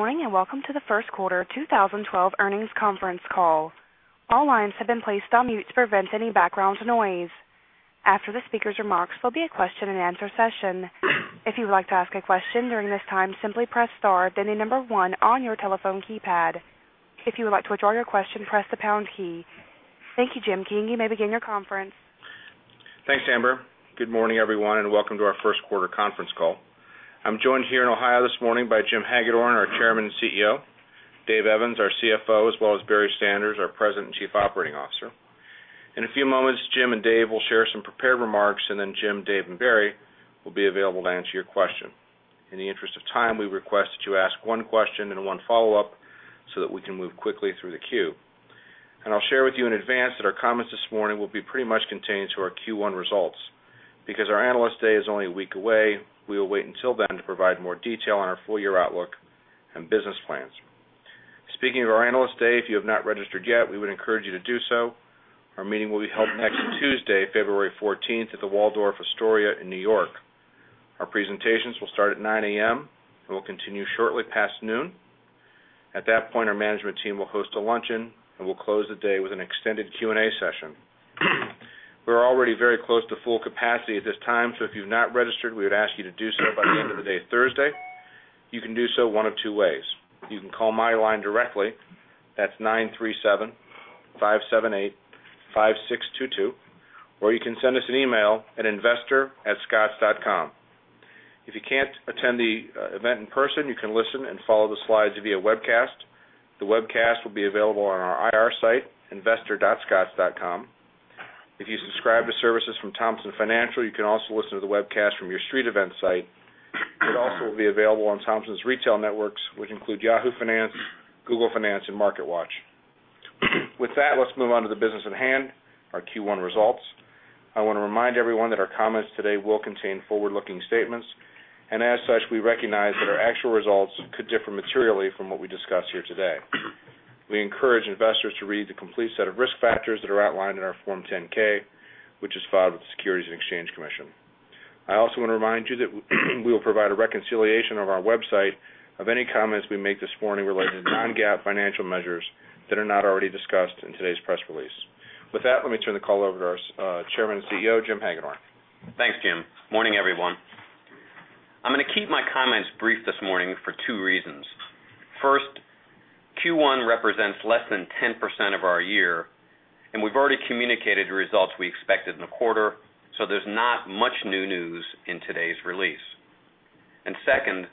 Good morning and welcome to the first quarter of 2012 earnings conference call. All lines have been placed on mute to prevent any background noise. After the speaker's remarks, there'll be a question and answer session. If you would like to ask a question during this time, simply press star, then the number one on your telephone keypad. If you would like to withdraw your question, press the pound key. Thank you, Jim King. You may begin your conference. Thanks, Amber. Good morning, everyone, and welcome to our first quarter conference call. I'm joined here in Ohio this morning by Jim Hagedorn, our Chairman and CEO, Dave Evans, our CFO, as well as Barry Sanders, our President and Chief Operating Officer. In a few moments, Jim and Dave will share some prepared remarks, and then Jim, Dave, and Barry will be available to answer your question. In the interest of time, we request that you ask one question and one follow-up so that we can move quickly through the queue. I'll share with you in advance that our comments this morning will be pretty much contained to our Q1 results. Because our analyst day is only a week away, we will wait until then to provide more detail on our full-year outlook and business plans. Speaking of our analyst day, if you have not registered yet, we would encourage you to do so. Our meeting will be held next Tuesday, February 14th, at the Waldorf Astoria in New York. Our presentations will start at 9:00 A.M. and will continue shortly past noon. At that point, our management team will host a luncheon and will close the day with an extended Q&A session. We're already very close to full capacity at this time, so if you've not registered, we would ask you to do so by the end of the day Thursday. You can do so one of two ways. You can call my line directly. That's 937-578-5622. Or you can send us an email at investor@scotts.com. If you can't attend the event in person, you can listen and follow the slides via webcast. The webcast will be available on our IR site, investor.scotts.com. If you subscribe to services from Thomson Financial, you can also listen to the webcast from your StreetEvents site. It also will be available on Thomson's retail networks, which include Yahoo Finance, Google Finance, and MarketWatch. With that, let's move on to the business at hand, our Q1 results. I want to remind everyone that our comments today will contain forward-looking statements, and as such, we recognize that our actual results could differ materially from what we discuss here today. We encourage investors to read the complete set of risk factors that are outlined in our Form 10-K, which is filed with the Securities and Exchange Commission. I also want to remind you that we will provide a reconciliation on our website of any comments we make this morning related to non-GAAP financial measures that are not already discussed in today's press release. With that, let me turn the call over to our Chairman and CEO, Jim Hagedorn. Thanks, Jim. Morning, everyone. I'm going to keep my comments brief this morning for two reasons. First, Q1 represents less than 10% of our year, and we've already communicated the results we expected in the quarter, so there's not much new news in today's release. Second,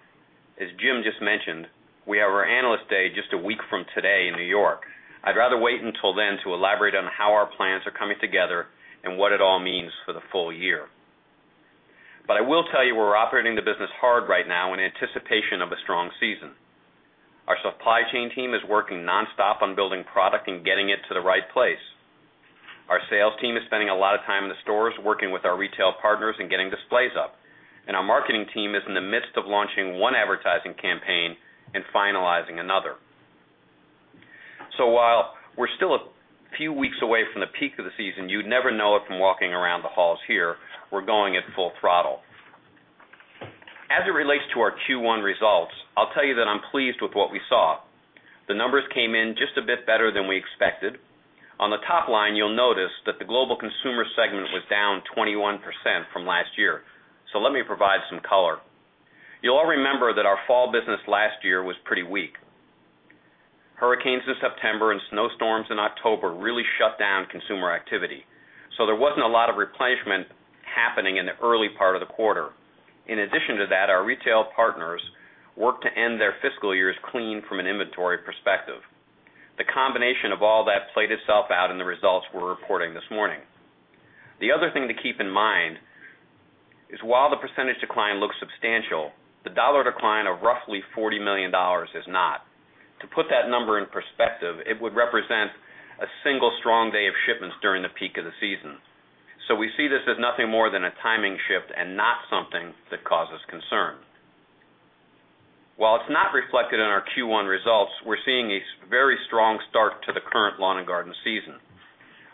as Jim just mentioned, we have our analyst day just a week from today in New York. I'd rather wait until then to elaborate on how our plans are coming together and what it all means for the full year. I will tell you we're operating the business hard right now in anticipation of a strong season. Our supply chain team is working nonstop on building product and getting it to the right place. Our sales team is spending a lot of time in the stores working with our retail partners and getting displays up. Our marketing team is in the midst of launching one advertising campaign and finalizing another. While we're still a few weeks away from the peak of the season, you'd never know it from walking around the halls here, we're going at full throttle. As it relates to our Q1 results, I'll tell you that I'm pleased with what we saw. The numbers came in just a bit better than we expected. On the top line, you'll notice that the global consumer segment was down 21% from last year. Let me provide some color. You'll all remember that our fall business last year was pretty weak. Hurricanes in September and snowstorms in October really shut down consumer activity. There wasn't a lot of replenishment happening in the early part of the quarter. In addition to that, our retail partners worked to end their fiscal years clean from an inventory perspective. The combination of all that played itself out in the results we're reporting this morning. The other thing to keep in mind is while the % decline looks substantial, the dollar decline of roughly $40 million is not. To put that number in perspective, it would represent a single strong day of shipments during the peak of the season. We see this as nothing more than a timing shift and not something that causes concern. While it's not reflected in our Q1 results, we're seeing a very strong start to the current lawn and garden season,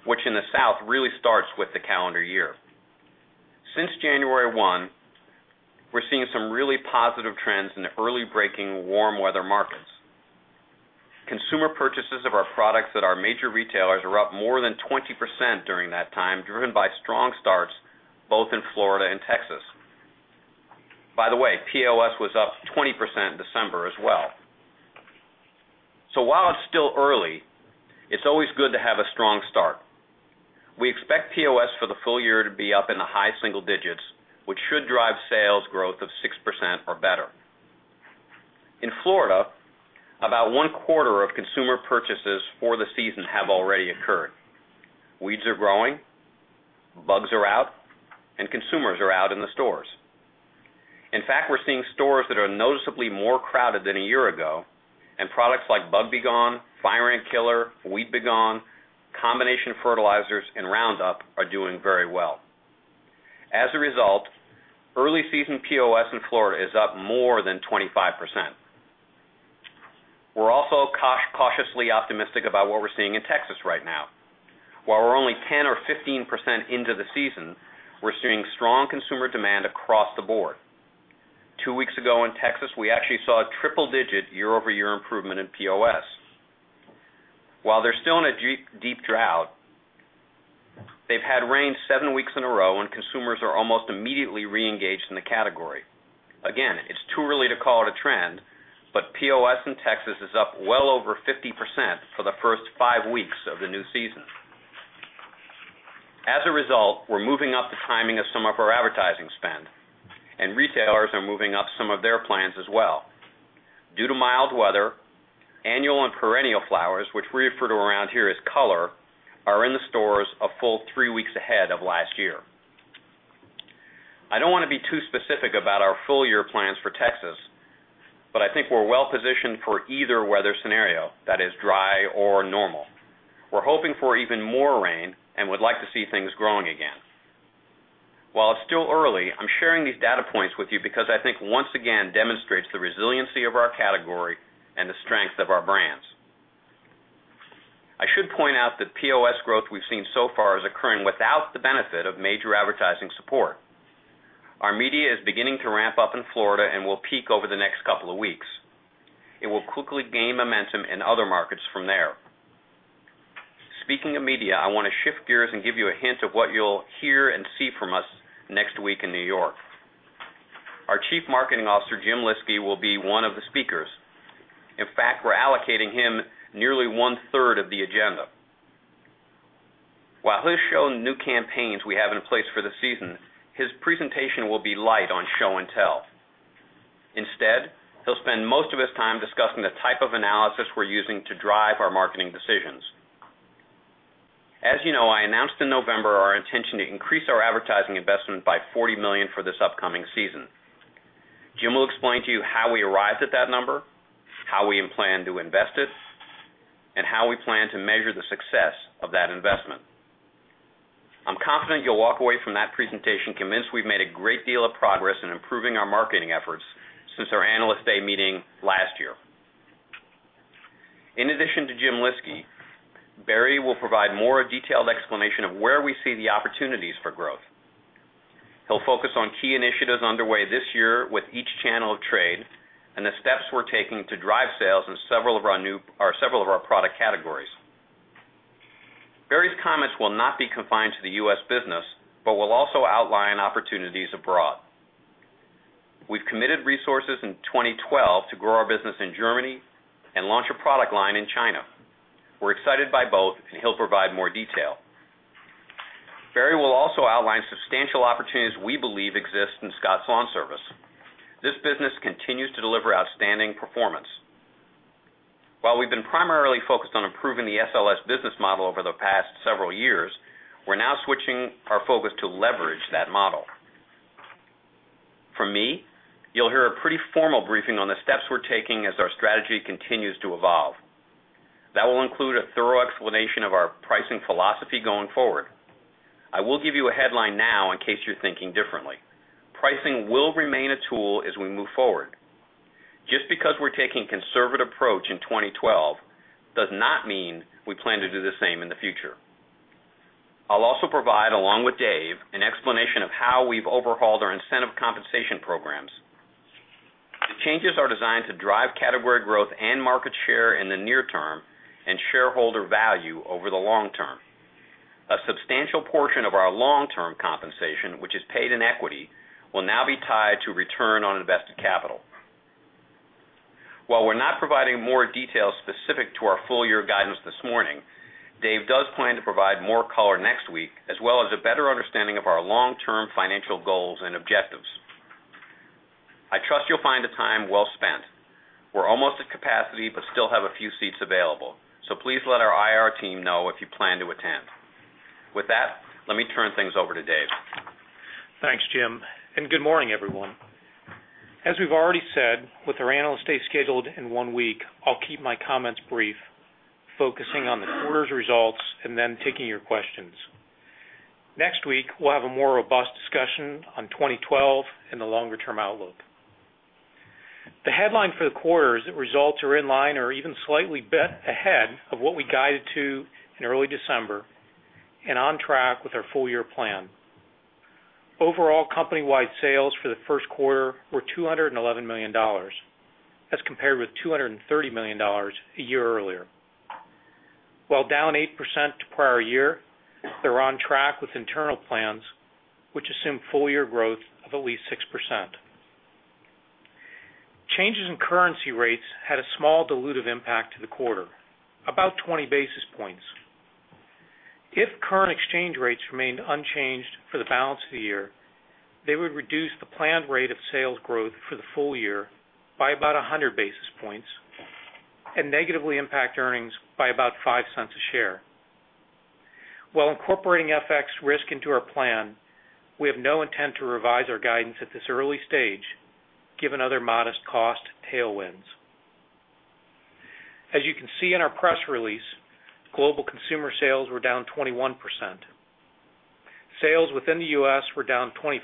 which in the South really starts with the calendar year. Since January 1, we're seeing some really positive trends in the early breaking warm weather markets. Consumer purchases of our products at our major retailers are up more than 20% during that time, driven by strong starts both in Florida and Texas. By the way, POS was up 20% in December as well. While it's still early, it's always good to have a strong start. We expect POS for the full year to be up in the high single digits, which should drive sales growth of 6% or better. In Florida, about one quarter of consumer purchases for the season have already occurred. Weeds are growing, bugs are out, and consumers are out in the stores. In fact, we're seeing stores that are noticeably more crowded than a year ago, and products like Bug B Gon, Fire Ant Killer, Weed B Gon, Combination Fertilizers, and Roundup are doing very well. As a result, early season POS in Florida is up more than 25%. We're also cautiously optimistic about what we're seeing in Texas right now. While we're only 10% or 15% into the season, we're seeing strong consumer demand across the board. Two weeks ago in Texas, we actually saw a triple-digit year-over-year improvement in POS. While they're still in a deep drought, they've had rain seven weeks in a row, and consumers are almost immediately re-engaged in the category. It's too early to call it a trend, but POS in Texas is up well over 50% for the first five weeks of the new season. As a result, we're moving up the timing of some of our advertising spend, and retailers are moving up some of their plans as well. Due to mild weather, annual and perennial flowers, which we refer to around here as color, are in the stores a full three weeks ahead of last year. I don't want to be too specific about our full-year plans for Texas, but I think we're well positioned for either weather scenario, that is dry or normal. We're hoping for even more rain and would like to see things growing again. While it's still early, I'm sharing these data points with you because I think once again demonstrates the resiliency of our category and the strength of our brands. I should point out that POS growth we've seen so far is occurring without the benefit of major advertising support. Our media is beginning to ramp up in Florida and will peak over the next couple of weeks. It will quickly gain momentum in other markets from there. Speaking of media, I want to shift gears and give you a hint of what you'll hear and see from us next week in New York. Our Chief Marketing Officer, Jim Lyski, will be one of the speakers. In fact, we're allocating him nearly one-third of the agenda. While he'll show new campaigns we have in place for the season, his presentation will be light on show and tell. Instead, he'll spend most of his time discussing the type of analysis we're using to drive our marketing decisions. As you know, I announced in November our intention to increase our advertising investment by $40 million for this upcoming season. Jim will explain to you how we arrived at that number, how we plan to invest it, and how we plan to measure the success of that investment. I'm confident you'll walk away from that presentation convinced we've made a great deal of progress in improving our marketing efforts since our analyst day meeting last year. In addition to Jim Lyski, Barry will provide more detailed explanation of where we see the opportunities for growth. He'll focus on key initiatives underway this year with each channel of trade and the steps we're taking to drive sales in several of our product categories. Barry's comments will not be confined to the U.S. business, but will also outline opportunities abroad. We've committed resources in 2012 to grow our business in Germany and launch a product line in China. We're excited by both, and he'll provide more detail. Barry will also outline substantial opportunities we believe exist in Scotts Lawn Service. This business continues to deliver outstanding performance. While we've been primarily focused on improving the SLS business model over the past several years, we're now switching our focus to leverage that model. From me, you'll hear a pretty formal briefing on the steps we're taking as our strategy continues to evolve. That will include a thorough explanation of our pricing philosophy going forward. I will give you a headline now in case you're thinking differently. Pricing will remain a tool as we move forward. Just because we're taking a conservative approach in 2012 does not mean we plan to do the same in the future. I'll also provide, along with Dave, an explanation of how we've overhauled our incentive compensation programs. The changes are designed to drive category growth and market share in the near term and shareholder value over the long term. A substantial portion of our long-term compensation, which is paid in equity, will now be tied to return on invested capital. While we're not providing more details specific to our full-year guidance this morning, Dave does plan to provide more color next week, as well as a better understanding of our long-term financial goals and objectives. I trust you'll find the time well spent. We're almost at capacity but still have a few seats available. Please let our IR team know if you plan to attend. With that, let me turn things over to Dave. Thanks, Jim, and good morning, everyone. As we've already said, with our analyst day scheduled in one week, I'll keep my comments brief, focusing on the quarter's results and then taking your questions. Next week, we'll have a more robust discussion on 2012 and the longer-term outlook. The headline for the quarter is that results are in line or even slightly better ahead of what we guided to in early December and on track with our full-year plan. Overall, company-wide sales for the first quarter were $211 million, as compared with $230 million a year earlier. While down 8% to prior year, they're on track with internal plans, which assume full-year growth of at least 6%. Changes in currency rates had a small dilutive impact to the quarter, about 20 basis points. If current exchange rates remained unchanged for the balance of the year, they would reduce the planned rate of sales growth for the full year by about 100 basis points and negatively impact earnings by about $0.05 a share. While incorporating FX risk into our plan, we have no intent to revise our guidance at this early stage, given other modest cost tailwinds. As you can see in our press release, global consumer sales were down 21%. Sales within the U.S. were down 25%,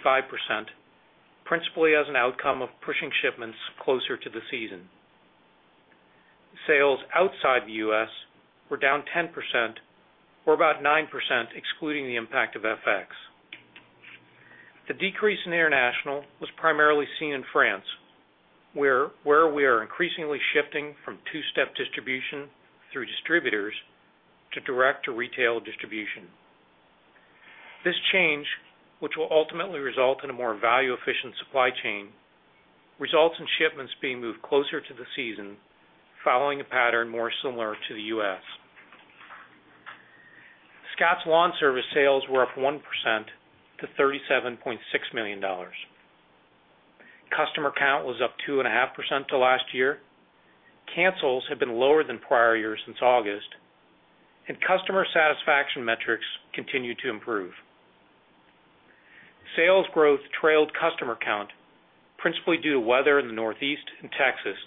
principally as an outcome of pushing shipments closer to the season. Sales outside the U.S. were down 10%, or about 9%, excluding the impact of FX. The decrease in international was primarily seen in France, where we are increasingly shifting from two-step distribution through distributors to direct to retail distribution. This change, which will ultimately result in a more value-efficient supply chain, results in shipments being moved closer to the season, following a pattern more similar to the U.S. Scotts Lawn Service sales were up 1% to $37.6 million. Customer count was up 2.5% to last year. Cancels have been lower than prior years since August, and customer satisfaction metrics continue to improve. Sales growth trailed customer count, principally due to weather in the Northeast and Texas,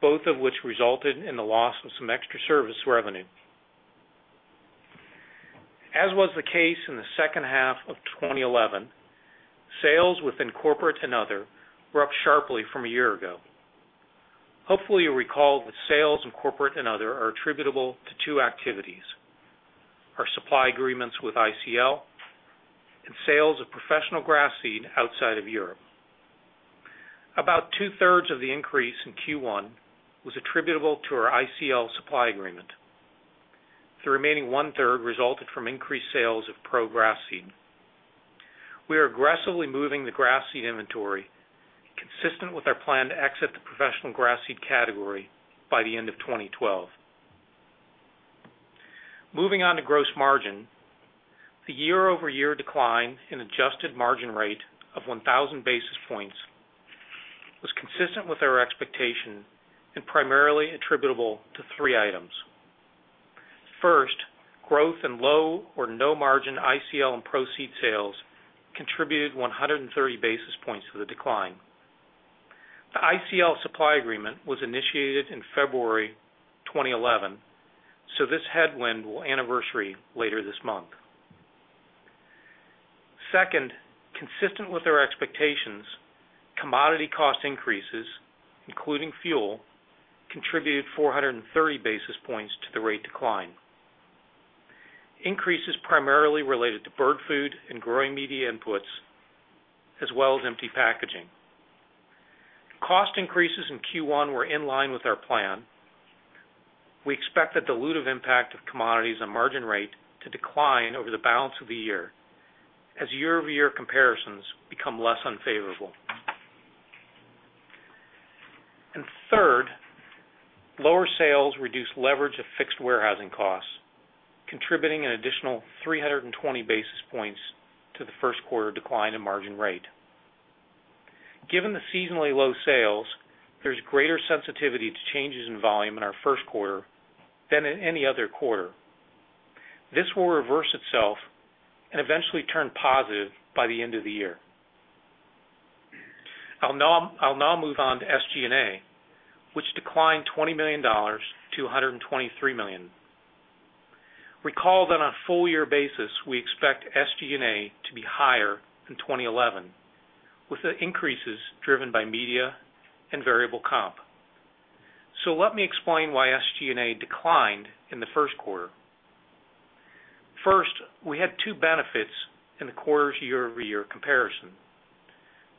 both of which resulted in the loss of some extra service revenue. As was the case in the second half of 2011, sales within corporate and other were up sharply from a year ago. Hopefully, you recall that sales in corporate and other are attributable to two activities: our supply agreements with ICL and sales of professional grass seed outside of Europe. About two-thirds of the increase in Q1 was attributable to our ICL supply agreement. The remaining one-third resulted from increased sales of pro-grass seed. We are aggressively moving the grass seed inventory, consistent with our plan to exit the professional grass seed category by the end of 2012. Moving on to gross margin, the year-over-year decline in adjusted margin rate of 1,000 basis points was consistent with our expectation and primarily attributable to three items. First, growth in low or no margin ICL and pro-seed sales contributed 130 basis points to the decline. The ICL supply agreement was initiated in February 2011, so this headwind will anniversary later this month. Second, consistent with our expectations, commodity cost increases, including fuel, contributed 430 basis points to the rate decline. Increases primarily related to bird food and growing media inputs, as well as empty packaging. Cost increases in Q1 were in line with our plan. We expect the dilutive impact of commodities and margin rate to decline over the balance of the year as year-over-year comparisons become less unfavorable. Third, lower sales reduce leverage of fixed warehousing costs, contributing an additional 320 basis points to the first quarter decline in margin rate. Given the seasonally low sales, there's greater sensitivity to changes in volume in our first quarter than in any other quarter. This will reverse itself and eventually turn positive by the end of the year. I'll now move on to SG&A, which declined $20 million to $123 million. Recall that on a full-year basis, we expect SG&A to be higher in 2011, with the increases driven by media and variable comp. Let me explain why SG&A declined in the first quarter. First, we had two benefits in the quarter's year-over-year comparison: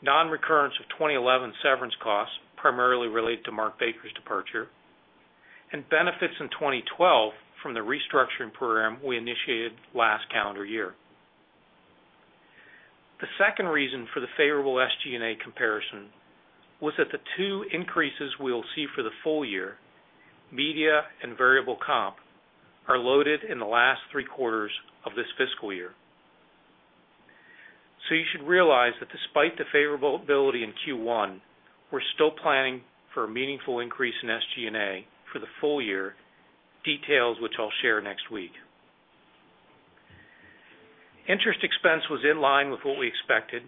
non-recurrence of 2011 severance costs, primarily related to Mark Baker's departure, and benefits in 2012 from the restructuring program we initiated last calendar year. The second reason for the favorable SG&A comparison was that the two increases we'll see for the full year, media and variable comp, are loaded in the last three quarters of this fiscal year. You should realize that despite the favorability in Q1, we're still planning for a meaningful increase in SG&A for the full year, details which I'll share next week. Interest expense was in line with what we expected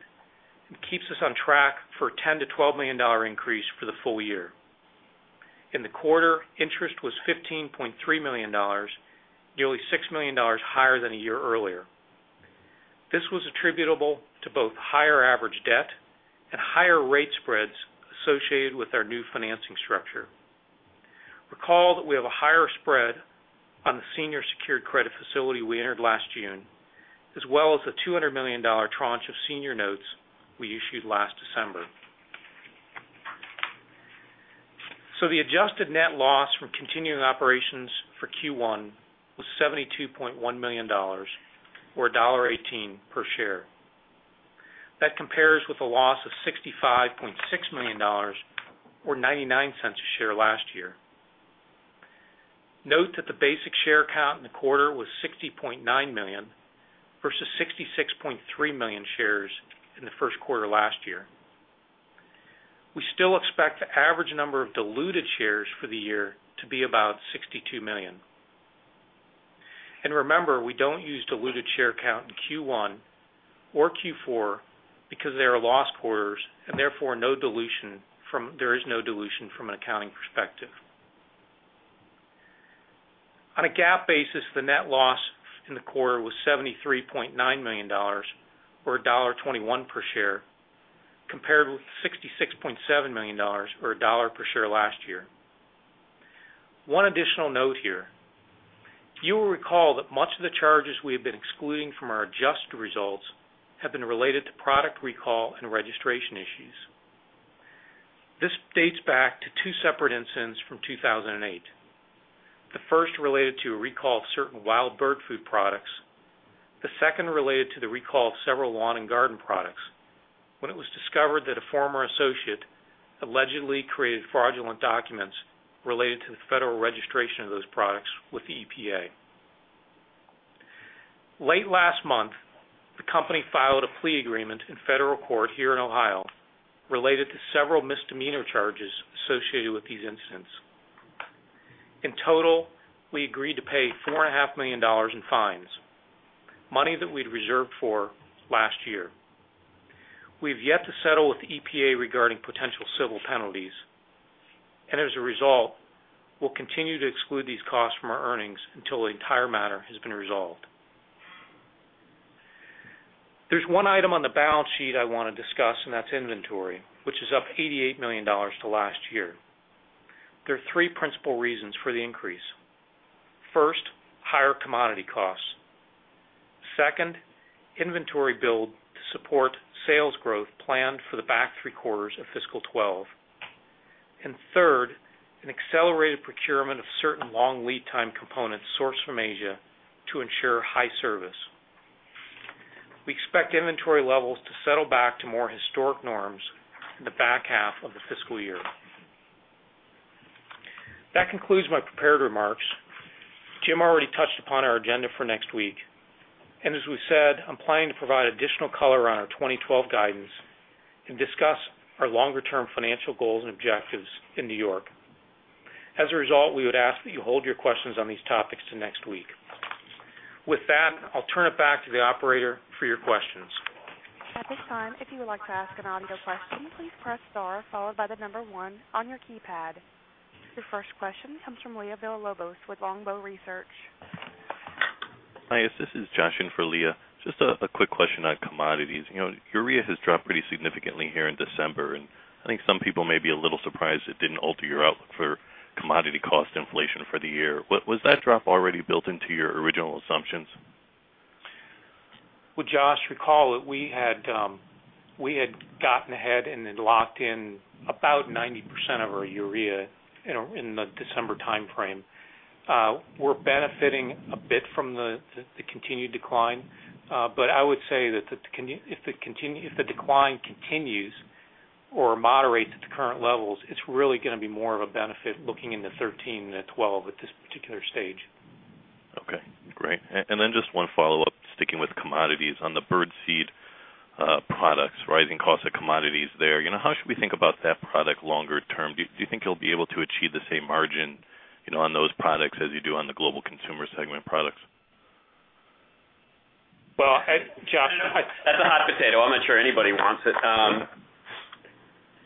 and keeps us on track for a $10 million-$12 million increase for the full year. In the quarter, interest was $15.3 million, nearly $6 million higher than a year earlier. This was attributable to both higher average debt and higher rate spreads associated with our new financing structure. Recall that we have a higher spread on the senior secured credit facility we entered last June, as well as the $200 million tranche of senior notes we issued last December. The adjusted net loss from continuing operations for Q1 was $72.1 million, or $1.18 per share. That compares with a loss of $65.6 million, or $0.99 a share last year. Note that the basic share count in the quarter was 60.9 million versus 66.3 million shares in the first quarter last year. We still expect the average number of diluted shares for the year to be about 62 million. Remember, we don't use diluted share count in Q1 or Q4 because they are lost quarters, and therefore no dilution from an accounting perspective. On a GAAP basis, the net loss in the quarter was $73.9 million, or $1.21 per share, compared with $66.7 million, or $1 per share last year. One additional note here. You will recall that much of the charges we have been excluding from our adjusted results have been related to product recall and registration issues. This dates back to two separate incidents from 2008. The first related to a recall of certain wild bird food products, the second related to the recall of several lawn and garden products when it was discovered that a former associate allegedly created fraudulent documents related to the federal registration of those products with the EPA. Late last month, the company filed a plea agreement in federal court here in Ohio related to several misdemeanor charges associated with these incidents. In total, we agreed to pay $4.5 million in fines, money that we'd reserved for last year. We've yet to settle with the EPA regarding potential civil penalties, and as a result, we'll continue to exclude these costs from our earnings until the entire matter has been resolved. There's one item on the balance sheet I want to discuss, and that's inventory, which is up $88 million to last year. There are three principal reasons for the increase. First, higher commodity costs. Second, inventory build to support sales growth planned for the back three quarters of fiscal 2012. Third, an accelerated procurement of certain long lead time components sourced from Asia to ensure high service. We expect inventory levels to settle back to more historic norms in the back half of the fiscal year. That concludes my prepared remarks. Jim already touched upon our agenda for next week. As we said, I'm planning to provide additional color on our 2012 guidance and discuss our longer-term financial goals and objectives in New York. As a result, we would ask that you hold your questions on these topics to next week. With that, I'll turn it back to the operator for your questions. At this time, if you would like to ask an audio question, please press star followed by the number one on your keypad. Your first question comes from Leah Villalobos with Longbow Research. Hi, yes, this is Josh in for Leah. Just a quick question on commodities. You know, urea has dropped pretty significantly here in December, and I think some people may be a little surprised it didn't alter your outlook for commodity cost inflation for the year. Was that drop already built into your original assumptions? Josh, recall that we had gotten ahead and locked in about 90% of our urea in the December timeframe. We're benefiting a bit from the continued decline, but I would say that if the decline continues or moderates at the current levels, it's really going to be more of a benefit looking into 2013 than 2012 at this particular stage. Okay, great. Just one follow-up, sticking with commodities on the bird seed products, rising costs of commodities there. How should we think about that product longer term? Do you think you'll be able to achieve the same margin on those products as you do on the global consumer segment products? Josh, as a hot potato, I'm not sure anybody wants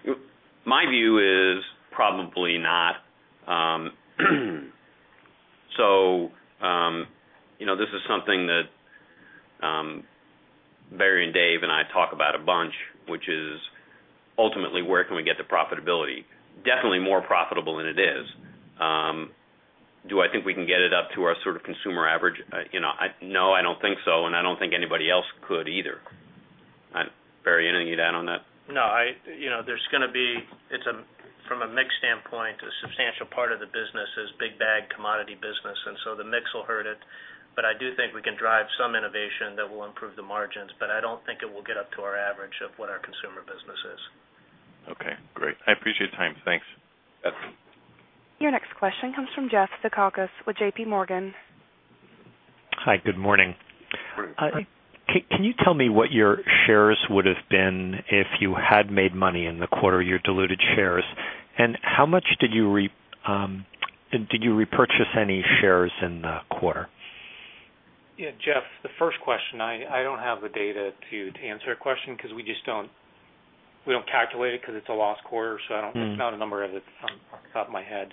it. My view is probably not. This is something that Barry, Dave, and I talk about a bunch, which is ultimately where can we get to profitability? Definitely more profitable than it is. Do I think we can get it up to our sort of consumer average? No, I don't think so, and I don't think anybody else could either. Barry, anything you'd add on that? No, there's going to be, it's from a mixed standpoint, a substantial part of the business is big bag commodity business, and so the mix will hurt it. I do think we can drive some innovation that will improve the margins, but I don't think it will get up to our average of what our consumer business is. Okay, great. I appreciate the time. Thanks. Your next question comes from Jeff Zekauskas with JPMorgan. Hi, good morning. Can you tell me what your shares would have been if you had made money in the quarter, your diluted shares, and how much did you repurchase any shares in the quarter? Yeah, Jeff, the first question, I don't have the data to answer a question because we just don't, we don't calculate it because it's a lost quarter. I don't, it's not a number that's on the top of my head.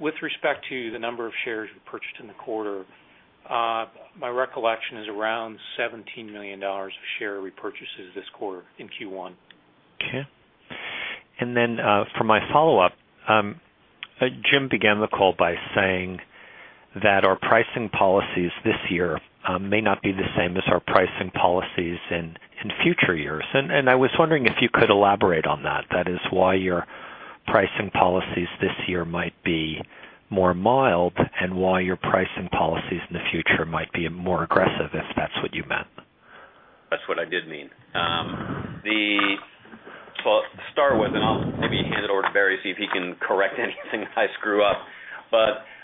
With respect to the number of shares we purchased in the quarter, my recollection is around $17 million of share repurchases this quarter in Q1. Okay. For my follow-up, Jim began the call by saying that our pricing policies this year may not be the same as our pricing policies in future years. I was wondering if you could elaborate on that. That is why your pricing policies this year might be more mild and why your pricing policies in the future might be more aggressive, if that's what you meant. That's what I did mean. To start with, I'll maybe hand it over to Barry to see if he can correct anything I screw up,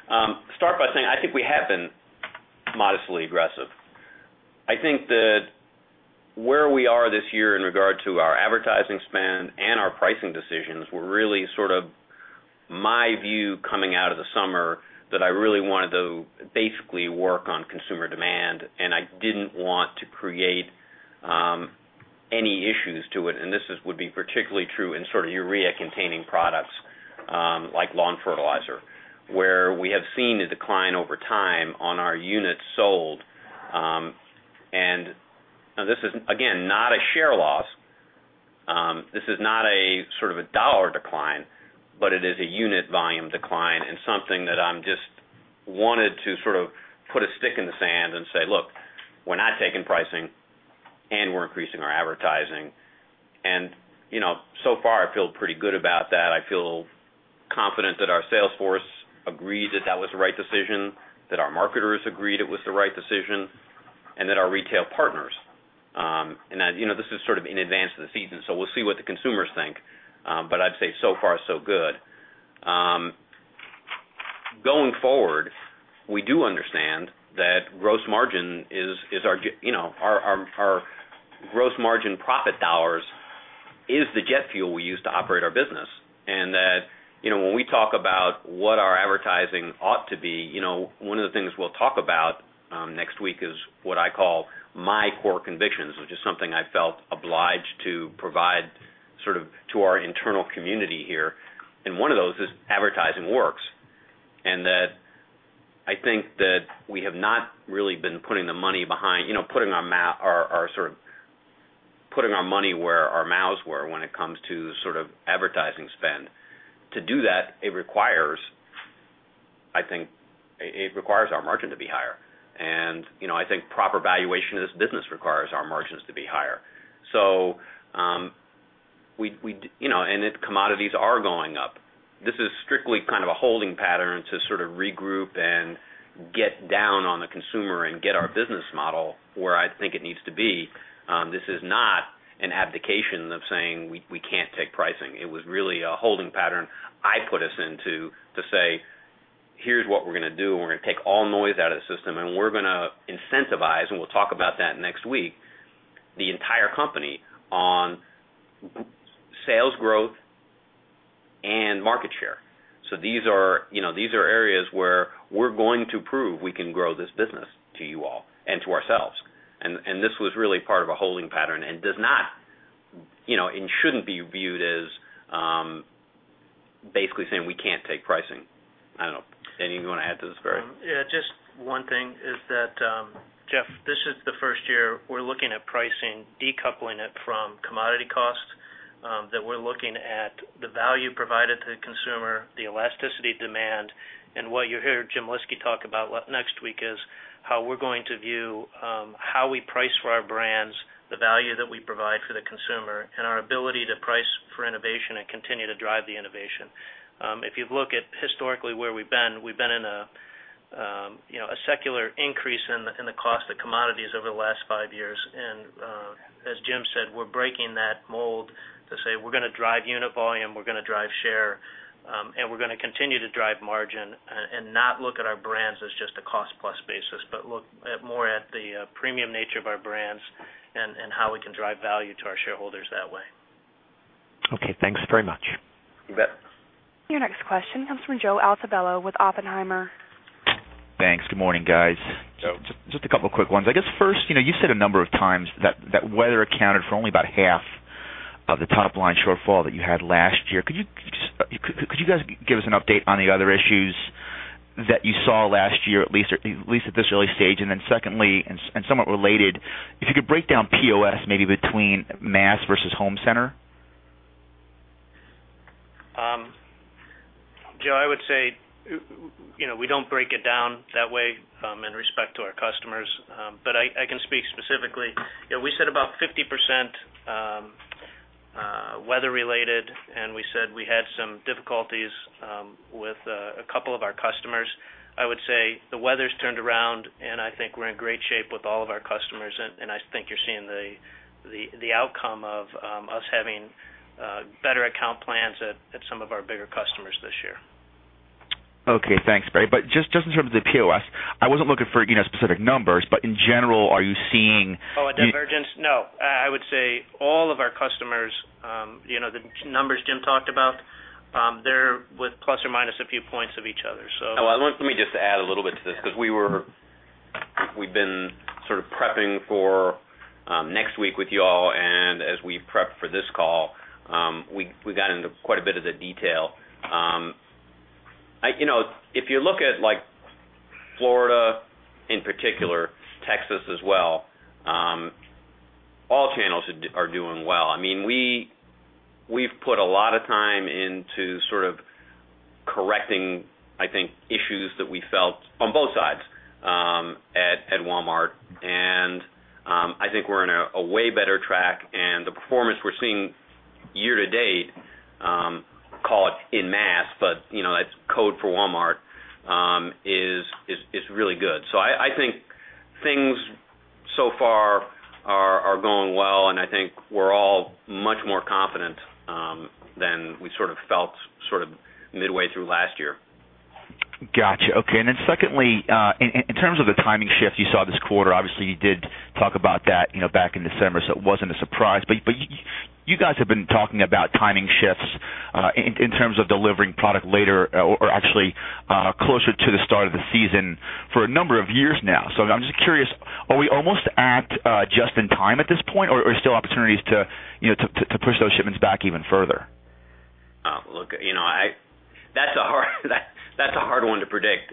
but start by saying I think we have been modestly aggressive. I think that where we are this year in regard to our advertising spend and our pricing decisions were really sort of my view coming out of the summer that I really wanted to basically work on consumer demand, and I didn't want to create any issues to it. This would be particularly true in sort of urea-containing products like lawn fertilizer, where we have seen a decline over time on our units sold. This is, again, not a share loss. This is not a sort of a dollar decline, but it is a unit volume decline and something that I just wanted to sort of put a stick in the sand and say, look, we're not taking pricing and we're increasing our advertising. You know, so far I feel pretty good about that. I feel confident that our sales force agreed that that was the right decision, that our marketers agreed it was the right decision, and that our retail partners. This is sort of in advance of the season, so we'll see what the consumers think. I'd say so far so good. Going forward, we do understand that gross margin is our, you know, our gross margin profit dollars is the jet fuel we use to operate our business. When we talk about what our advertising ought to be, one of the things we'll talk about next week is what I call my core convictions, which is something I felt obliged to provide sort of to our internal community here. One of those is advertising works. I think that we have not really been putting the money behind, you know, putting our sort of putting our money where our mouths were when it comes to sort of advertising spend. To do that, it requires, I think, it requires our margin to be higher. I think proper valuation of this business requires our margins to be higher. If commodities are going up, this is strictly kind of a holding pattern to sort of regroup and get down on the consumer and get our business model where I think it needs to be. This is not an abdication of saying we can't take pricing. It was really a holding pattern I put us into to say, here's what we're going to do. We're going to take all noise out of the system, and we're going to incentivize, and we'll talk about that next week, the entire company on sales growth and market share. These are areas where we're going to prove we can grow this business to you all and to ourselves. This was really part of a holding pattern and does not, you know, and shouldn't be viewed as basically saying we can't take pricing. I don't know. Anything you want to add to this, Barry? Yeah, just one thing is that, Jeff, this is the first year we're looking at pricing, decoupling it from commodity cost, that we're looking at the value provided to the consumer, the elasticity of demand. What you hear Jim Lyski talk about next week is how we're going to view how we price for our brands, the value that we provide for the consumer, and our ability to price for innovation and continue to drive the innovation. If you look at historically where we've been, we've been in a secular increase in the cost of commodities over the last five years. As Jim said, we're breaking that mold to say we're going to drive unit volume, we're going to drive share, and we're going to continue to drive margin and not look at our brands as just a cost-plus basis, but look more at the premium nature of our brands and how we can drive value to our shareholders that way. Okay, thanks very much. You bet. Your next question comes from Joe Altobello with Oppenheimer. Thanks. Good morning, guys. Just a couple of quick ones. I guess first, you said a number of times that weather accounted for only about half of the top line shortfall that you had last year. Could you guys give us an update on the other issues that you saw last year, at least at this early stage? Secondly, and somewhat related, if you could break down POS maybe between mass versus home center? Joe, I would say we don't break it down that way in respect to our customers. I can speak specifically. We said about 50% weather-related, and we said we had some difficulties with a couple of our customers. I would say the weather's turned around, and I think we're in great shape with all of our customers. I think you're seeing the outcome of us having better account plans at some of our bigger customers this year. Okay, thanks, Barry. In terms of the POS, I wasn't looking for, you know, specific numbers, but in general, are you seeing? Oh, a divergence? No, I would say all of our customers, you know, the numbers Jim talked about, they're with plus or minus a few points of each other. Oh, let me just add a little bit to this because we've been sort of prepping for next week with you all. As we prepped for this call, we got into quite a bit of the detail. If you look at like Florida in particular, Texas as well, all channels are doing well. We've put a lot of time into sort of correcting, I think, issues that we felt on both sides at Walmart. I think we're on a way better track. The performance we're seeing year to date, call it in mass, but you know, that's code for Walmart, is really good. I think things so far are going well, and I think we're all much more confident than we sort of felt sort of midway through last year. Gotcha. Okay. Secondly, in terms of the timing shift you saw this quarter, obviously you did talk about that back in December, so it wasn't a surprise. You guys have been talking about timing shifts in terms of delivering product later or actually closer to the start of the season for a number of years now. I'm just curious, are we almost at just in time at this point, or are there still opportunities to push those shipments back even further? Look, you know, that's a hard one to predict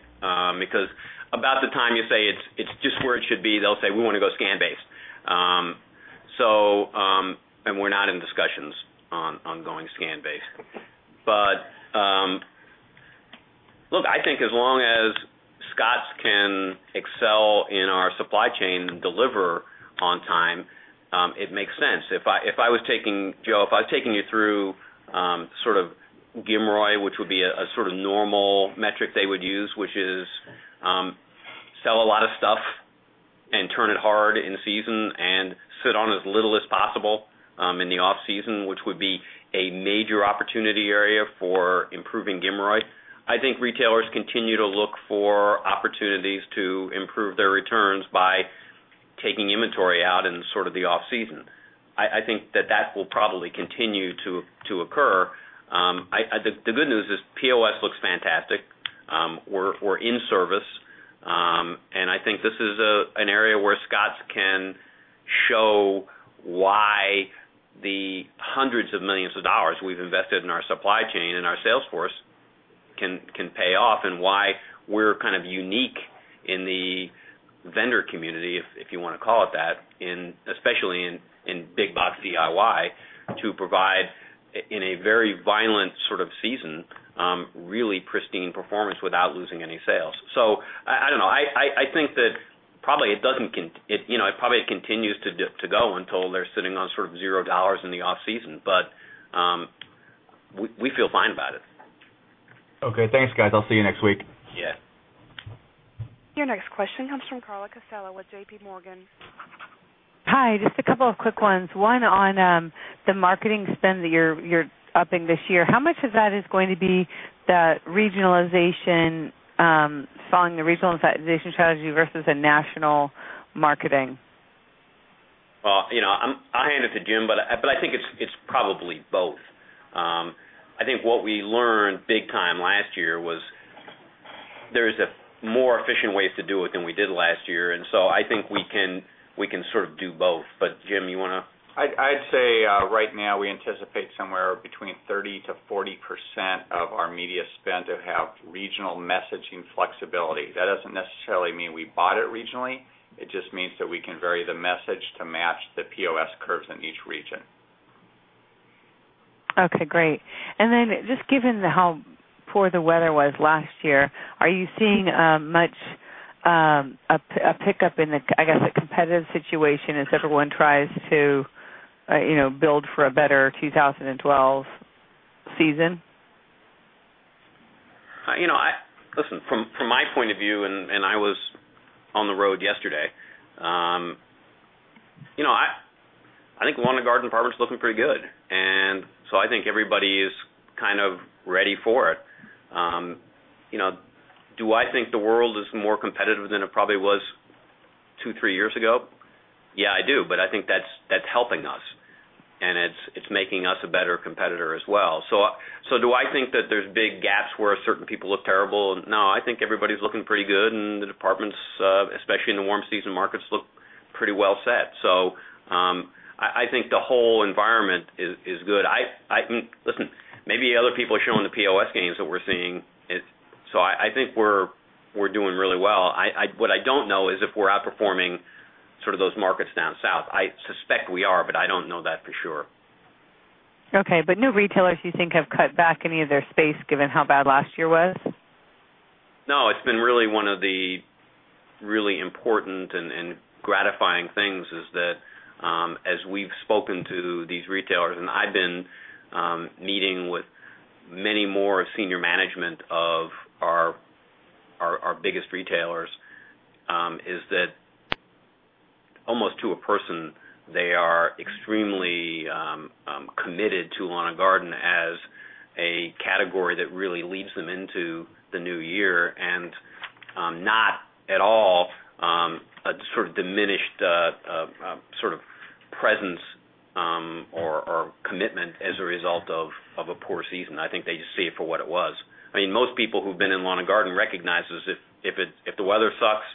because about the time you say it's just where it should be, they'll say we want to go scan-based. We're not in discussions on going scan-based. Look, I think as long as Scotts can excel in our supply chain and deliver on time, it makes sense. If I was taking, Joe, if I was taking you through sort of giveaway, which would be a sort of normal metric they would use, which is sell a lot of stuff and turn it hard in season and sit on as little as possible in the off-season, which would be a major opportunity area for improving giveaway. I think retailers continue to look for opportunities to improve their returns by taking inventory out in sort of the off-season. I think that that will probably continue to occur. The good news is POS looks fantastic. We're in service. I think this is an area where Scotts can show why the hundreds of millions of dollars we've invested in our supply chain and our sales force can pay off and why we're kind of unique in the vendor community, if you want to call it that, and especially in big box DIY to provide in a very violent sort of season really pristine performance without losing any sales. I don't know. I think that probably it doesn't, you know, it probably continues to go until they're sitting on sort of $0 in the off-season, but we feel fine about it. Okay, thanks, guys. I'll see you next week. Yeah. Your next question comes from Carla Casella with JPMorgan. Hi, just a couple of quick ones. One on the marketing spend that you're upping this year. How much of that is going to be the regionalization following the regionalization strategy versus a national marketing? I will hand it to Jim, but I think it's probably both. I think what we learned big time last year was there's more efficient ways to do it than we did last year. I think we can sort of do both. Jim, you want to? I'd say right now we anticipate somewhere between 30%-40% of our media spend to have regional messaging flexibility. That doesn't necessarily mean we bought it regionally. It just means that we can vary the message to match the POS curves in each region. Okay, great. Given how poor the weather was last year, are you seeing much a pickup in the, I guess, the competitive situation as everyone tries to build for a better 2012 season? You know, listen, from my point of view, and I was on the road yesterday, I think lawn and garden departments are looking pretty good. I think everybody's kind of ready for it. Do I think the world is more competitive than it probably was two, three years ago? Yeah, I do. I think that's helping us, and it's making us a better competitor as well. Do I think that there's big gaps where certain people look terrible? No, I think everybody's looking pretty good, and the departments, especially in the warm season markets, look pretty well set. I think the whole environment is good. Listen, maybe other people are showing the POS gains that we're seeing. I think we're doing really well. What I don't know is if we're outperforming sort of those markets down south. I suspect we are, but I don't know that for sure. Okay, but no retailers you think have cut back any of their space given how bad last year was? No, it's been really one of the really important and gratifying things is that as we've spoken to these retailers, and I've been meeting with many more Senior Management of our biggest retailers, is that almost to a person, they are extremely committed to lawn and garden as a category that really leads them into the new year and not at all a sort of diminished sort of presence or commitment as a result of a poor season. I think they just see it for what it was. I mean, most people who've been in lawn and garden recognize this: if the weather sucks,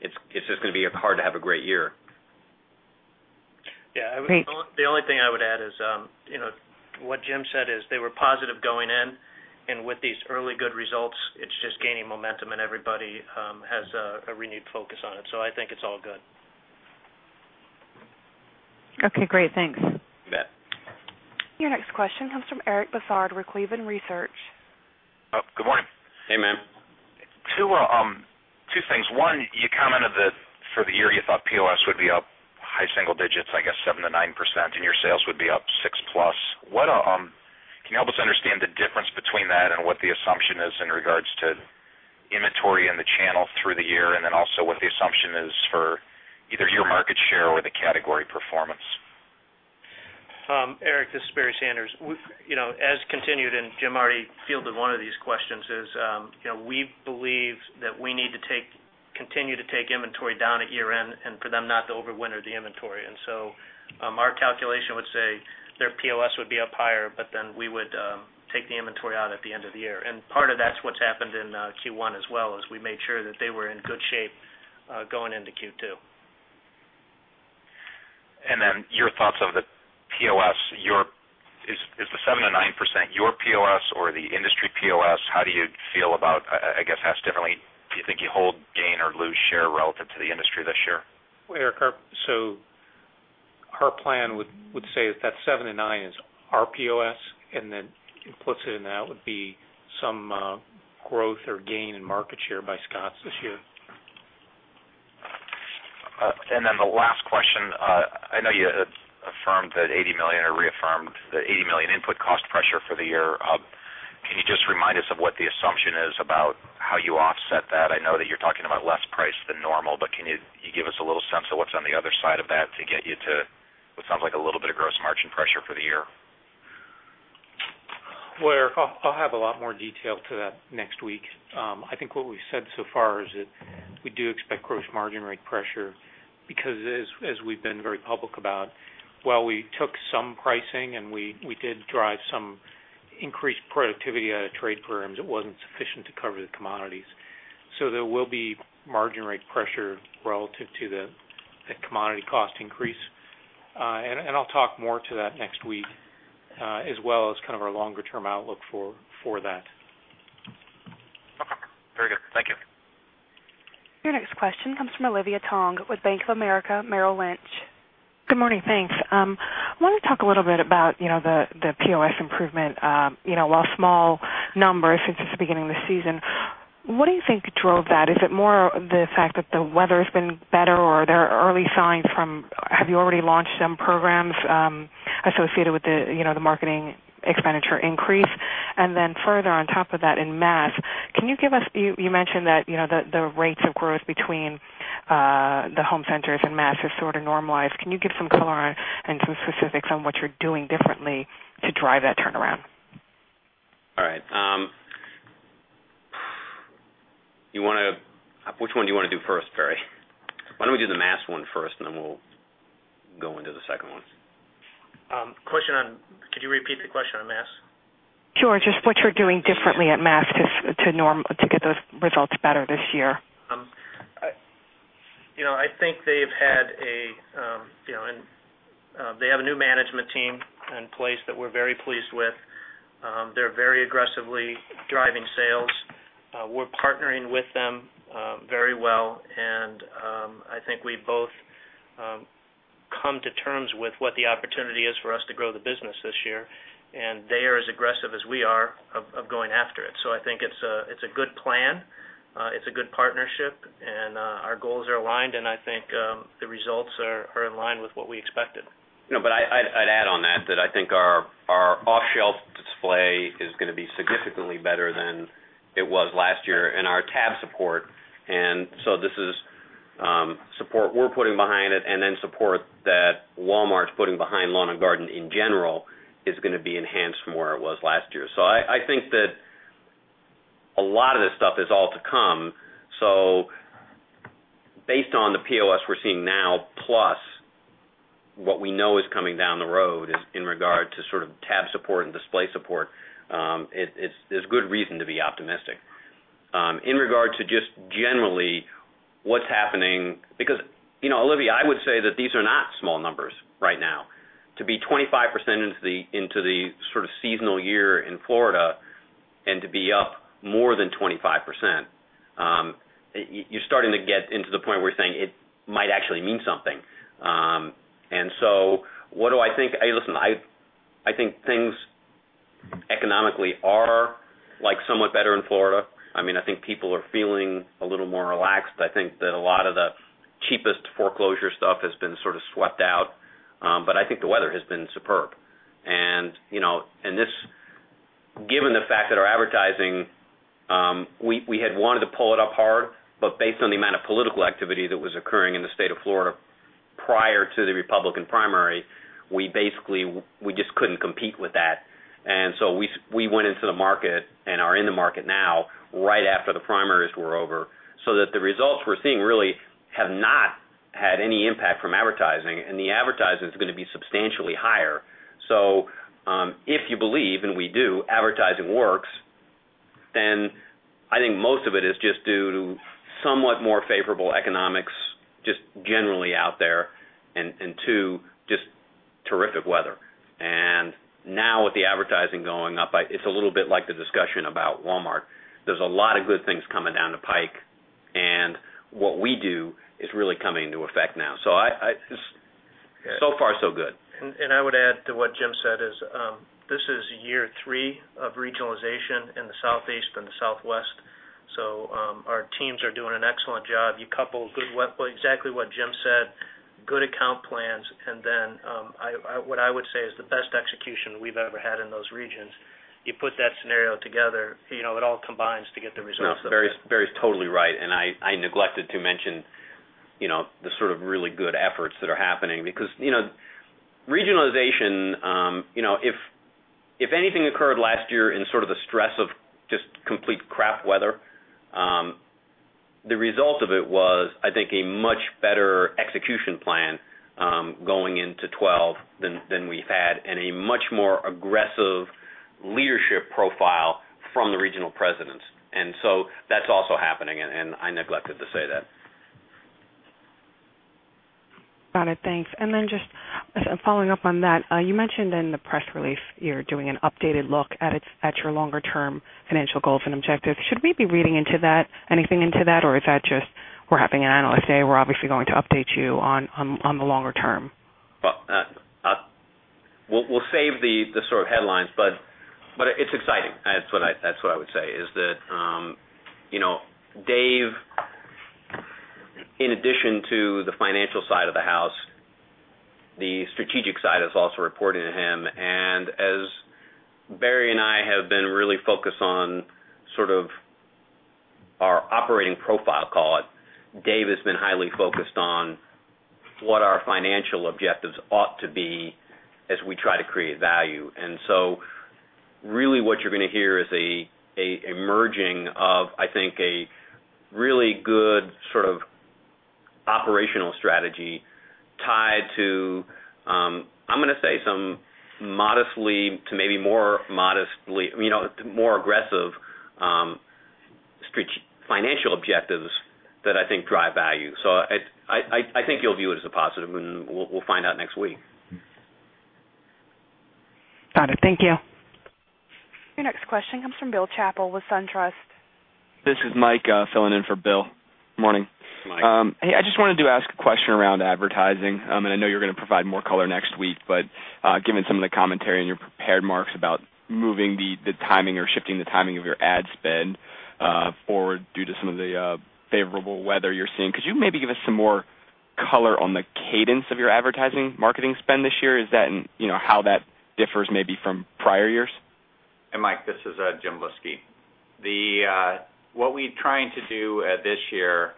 it's just going to be hard to have a great year. I would, the only thing I would add is, you know, what Jim said is they were positive going in. With these early good results, it's just gaining momentum and everybody has a renewed focus on it. I think it's all good. Okay, great. Thanks. You bet. Your next question comes from Eric Bosshard with Cleveland Research. Oh, good morning. Hey, man. Two things. One, you commented that for the year you thought POS would be up high single digits, I guess 7%-9%, and your sales would be up 6%+. What can you help us understand the difference between that and what the assumption is in regards to inventory in the channel through the year? Also, what the assumption is for either your market share or the category performance? Eric, this is Barry Sanders. As continued, and Jim already fielded one of these questions, we believe that we need to continue to take inventory down at year end for them not to overwinter the inventory. Our calculation would say their POS would be up higher, but then we would take the inventory out at the end of the year. Part of that's what's happened in Q1 as well, we made sure that they were in good shape going into Q2. Your thoughts of the POS, is the 7%-9% your POS or the industry POS? How do you feel about, I guess, how differently do you think you hold, gain, or lose share relative to the industry this year? Eric, our plan would say is that 7%-9% is our POS, and then implicit in that would be some growth or gain in market share by Scotts this year. The last question, I know you affirmed that $80 million or reaffirmed the $80 million input cost pressure for the year. Can you just remind us of what the assumption is about how you offset that? I know that you're talking about less price than normal, but can you give us a little sense of what's on the other side of that to get you to, it sounds like, a little bit of gross margin pressure for the year? Eric, I'll have a lot more detail to that next week. I think what we've said so far is that we do expect gross margin rate pressure because as we've been very public about, while we took some pricing and we did drive some increased productivity out of trade programs, it wasn't sufficient to cover the commodities. There will be margin rate pressure relative to the commodity cost increase. I'll talk more to that next week, as well as kind of our longer-term outlook for that. Okay, very good. Thank you. Your next question comes from Olivia Tong with Bank of America Merrill Lynch. Good morning, thanks. I want to talk a little bit about the POS improvement. While small numbers since it's the beginning of the season, what do you think drove that? Is it more the fact that the weather has been better or are there early signs from, have you already launched some programs associated with the marketing expenditure increase? Further, on top of that in mass, you mentioned that the rates of growth between the home centers and mass has sort of normalized. Can you give some color and some specifics on what you're doing differently to drive that turnaround? All right. You want to, which one do you want to do first, Barry? Why don't we do the mass one first, and then we'll go into the second ones? Could you repeat the question on mass? Sure, just what you're doing differently at mass to get those results better this year. I think they've had a new management team in place that we're very pleased with. They're very aggressively driving sales. We're partnering with them very well. I think we've both come to terms with what the opportunity is for us to grow the business this year. They are as aggressive as we are of going after it. I think it's a good plan, a good partnership, and our goals are aligned. I think the results are in line with what we expected. No, but I'd add on that I think our off-shelf display is going to be significantly better than it was last year and our tab support. This is support we're putting behind it and then support that Walmart's putting behind lawn and garden in general is going to be enhanced from where it was last year. I think that a lot of this stuff is all to come. Based on the POS we're seeing now, plus what we know is coming down the road in regard to tab support and display support, there's good reason to be optimistic. In regard to just generally what's happening, because, you know, Olivia, I would say that these are not small numbers right now. To be 25% into the seasonal year in Florida and to be up more than 25%, you're starting to get into the point where you're saying it might actually mean something. What do I think? Hey, listen, I think things economically are somewhat better in Florida. I mean, I think people are feeling a little more relaxed. I think that a lot of the cheapest foreclosure stuff has been swept out. I think the weather has been superb. Given the fact that our advertising, we had wanted to pull it up hard, but based on the amount of political activity that was occurring in the state of Florida prior to the Republican primary, we just couldn't compete with that. We went into the market and are in the market now right after the primaries were over. The results we're seeing really have not had any impact from advertising. The advertising is going to be substantially higher. If you believe, and we do, advertising works, then I think most of it is just due to somewhat more favorable economics just generally out there and to just terrific weather. Now with the advertising going up, it's a little bit like the discussion about Walmart. There's a lot of good things coming down the pike. What we do is really coming into effect now. It's so far, so good. I would add to what Jim said. This is year three of regionalization in the Southeast and the Southwest. Our teams are doing an excellent job. You couple exactly what Jim said, good account plans, and then what I would say is the best execution we've ever had in those regions. You put that scenario together, it all combines to get the results. No, Barry's totally right. I neglected to mention the sort of really good efforts that are happening because regionalization, if anything occurred last year in the stress of just complete crap weather, the result of it was, I think, a much better execution plan going into 2012 than we've had and a much more aggressive leadership profile from the regional presidents. That's also happening. I neglected to say that. Got it. Thanks. Just following up on that, you mentioned in the press release you're doing an updated look at your longer-term financial goals and objectives. Should we be reading anything into that, or is that just we're having an analyst day? We're obviously going to update you on the longer term. It's exciting. That's what I would say is that, you know, Dave, in addition to the financial side of the house, the strategic side is also reporting to him. As Barry and I have been really focused on sort of our operating profile, call it, Dave has been highly focused on what our financial objectives ought to be as we try to create value. Really what you're going to hear is an emerging of, I think, a really good sort of operational strategy tied to, I'm going to say some modestly to maybe more modestly, you know, more aggressive financial objectives that I think drive value. I think you'll view it as a positive, and we'll find out next week. Got it. Thank you. Your next question comes from Bill Chappell with SunTrust. This is Mike filling in for Bill. Morning. Hey, Mike. Hey, I just wanted to ask a question around advertising. I know you're going to provide more color next week, but given some of the commentary in your prepared marks about moving the timing or shifting the timing of your ad spend forward due to some of the favorable weather you're seeing, could you maybe give us some more color on the cadence of your advertising marketing spend this year? Is that in, you know, how that differs maybe from prior years? Mike, this is Jim Lyski. What we're trying to do this year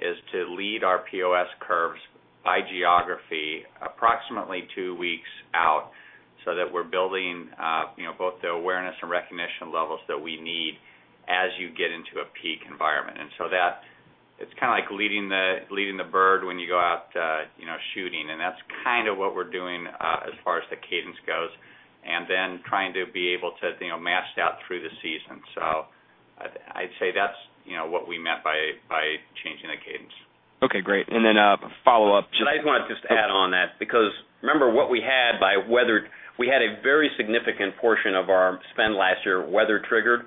is to lead our POS curves by geography approximately two weeks out so that we're building both the awareness and recognition levels that we need as you get into a peak environment. It's kind of like leading the bird when you go out shooting. That's what we're doing as far as the cadence goes, and then trying to be able to match that through the season. I'd say that's what we meant by changing the cadence. Okay, great. A follow-up. I just want to add on that because remember what we had by weather, we had a very significant portion of our spend last year weather triggered.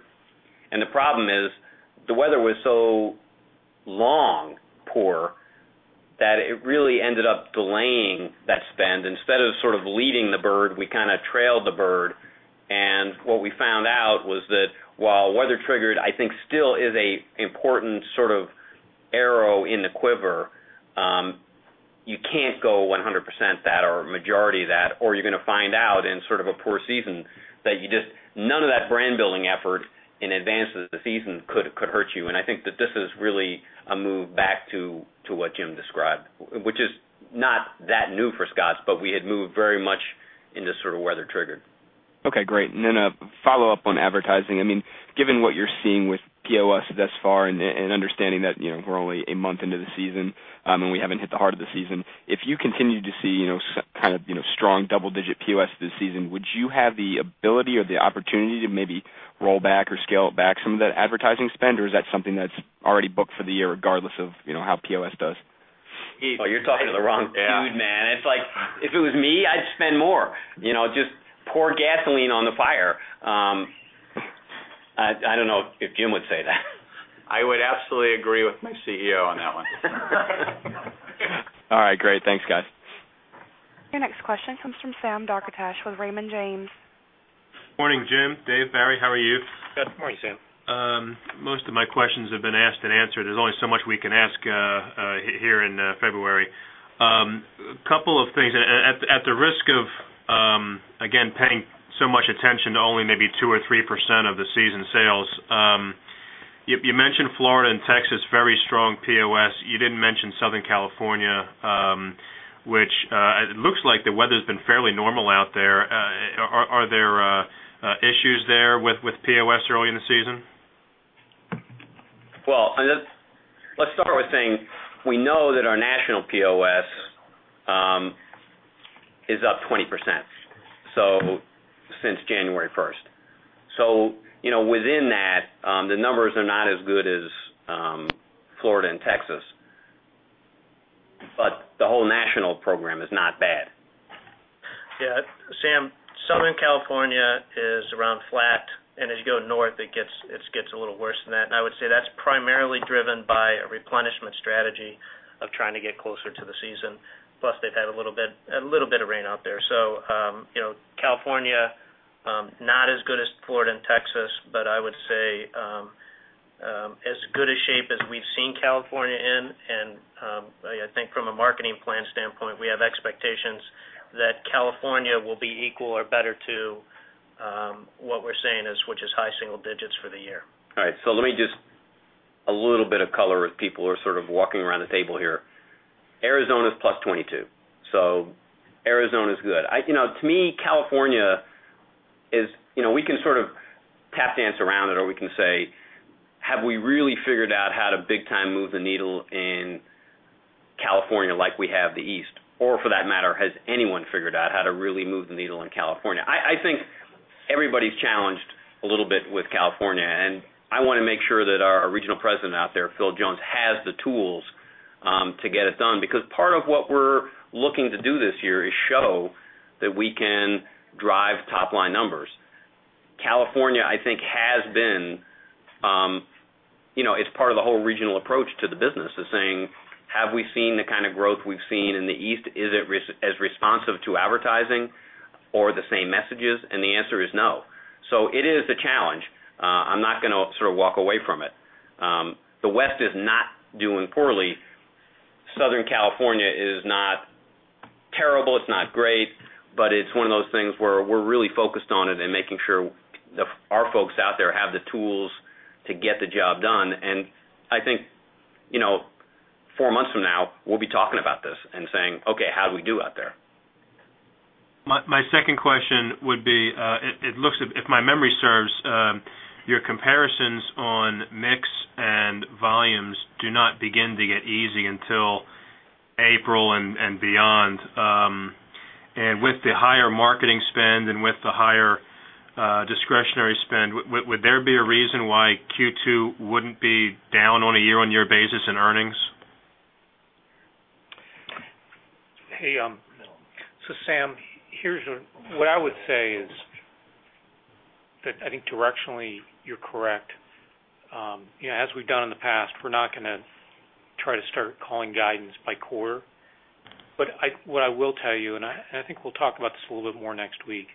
The problem is the weather was so long poor that it really ended up delaying that spend. Instead of sort of leading the bird, we kind of trailed the bird. What we found out was that while weather triggered, I think still is an important sort of arrow in the quiver, you can't go 100% that or a majority of that, or you're going to find out in sort of a poor season that none of that brand building effort in advance of the season could hurt you. I think that this is really a move back to what Jim described, which is not that new for Scotts, but we had moved very much into sort of weather triggered. Okay, great. A follow-up on advertising. Given what you're seeing with POS thus far and understanding that we're only a month into the season and we haven't hit the heart of the season, if you continue to see strong double-digit POS this season, would you have the ability or the opportunity to maybe roll back or scale back some of that advertising spend, or is that something that's already booked for the year regardless of how POS does? Oh, you're talking to the wrong dude, man. If it was me, I'd spend more. You know, just pour gasoline on the fire. I don't know if Jim would say that. I would absolutely agree with my CEO on that one. All right, great. Thanks, guys. Your next question comes from Sam Darkatsh with Raymond James. Morning, Jim. Dave, Barry, how are you? Good morning, Sam. Most of my questions have been asked and answered. There's only so much we can ask here in February. A couple of things, and at the risk of, again, paying so much attention to only maybe 2% or 3% of the season sales, you mentioned Florida and Texas, very strong POS. You didn't mention Southern California, which it looks like the weather's been fairly normal out there. Are there issues there with POS early in the season? We know that our national POS is up 20% since January 1st. Within that, the numbers are not as good as Florida and Texas, but the whole national program is not bad. Yeah, Sam, Southern California is around flat, and as you go north, it gets a little worse than that. I would say that's primarily driven by a replenishment strategy of trying to get closer to the season. Plus, they've had a little bit of rain out there. California, not as good as Florida and Texas, but I would say as good a shape as we've seen California in. I think from a marketing plan standpoint, we have expectations that California will be equal or better to what we're saying is, which is high single digits for the year. All right, let me give a little bit of color as people are sort of walking around the table here. Arizona's plus 22. Arizona's good. You know, to me, California is, you know, we can sort of tap dance around it or we can say, have we really figured out how to big time move the needle in California like we have the East? For that matter, has anyone figured out how to really move the needle in California? I think everybody's challenged a little bit with California, and I want to make sure that our Regional President out there, Phil Jones, has the tools to get it done because part of what we're looking to do this year is show that we can drive top line numbers. California, I think, has been, you know, it's part of the whole regional approach to the business, saying, have we seen the kind of growth we've seen in the East? Is it as responsive to advertising or the same messages? The answer is no. It is a challenge. I'm not going to walk away from it. The West is not doing poorly. Southern California is not terrible. It's not great, but it's one of those things where we're really focused on it and making sure that our folks out there have the tools to get the job done. I think, you know, four months from now, we'll be talking about this and saying, okay, how'd we do out there? My second question would be, it looks, if my memory serves, your comparisons on mix and volumes do not begin to get easy until April and beyond. With the higher marketing spend and with the higher discretionary spend, would there be a reason why Q2 wouldn't be down on a year-on-year basis in earnings? Hey, so Sam, here's what I would say is that I think directionally you're correct. You know, as we've done in the past, we're not going to try to start calling guidance by quarter. What I will tell you, and I think we'll talk about this a little bit more next week,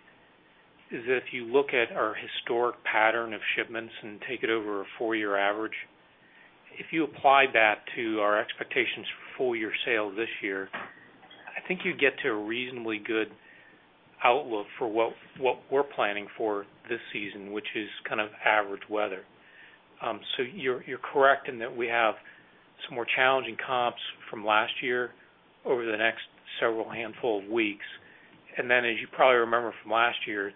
is that if you look at our historic pattern of shipments and take it over a four-year average, if you apply that to our expectations for full-year sales this year, I think you'd get to a reasonably good outlook for what we're planning for this season, which is kind of average weather. You're correct in that we have some more challenging comps from last year over the next several handful of weeks. As you probably remember from last year,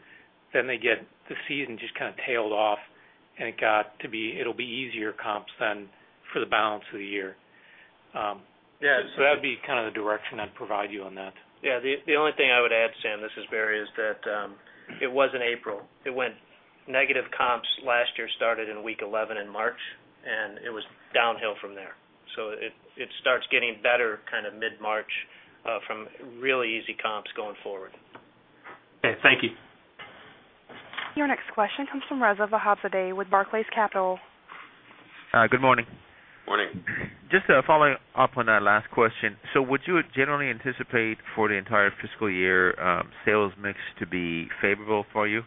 the season just kind of tailed off, and it got to be, it'll be easier comps then for the balance of the year. That'd be kind of the direction I'd provide you on that. Yeah, the only thing I would add, Sam, this is Barry, is that it was in April. It went negative comps last year started in week 11 in March, and it was downhill from there. It starts getting better kind of mid-March from really easy comps going forward. Okay, thank you. Your next question comes from Reza Vahabzadeh with Barclays Capital. Good morning. Morning. Just following up on that last question. Would you generally anticipate for the entire fiscal year sales mix to be favorable for you?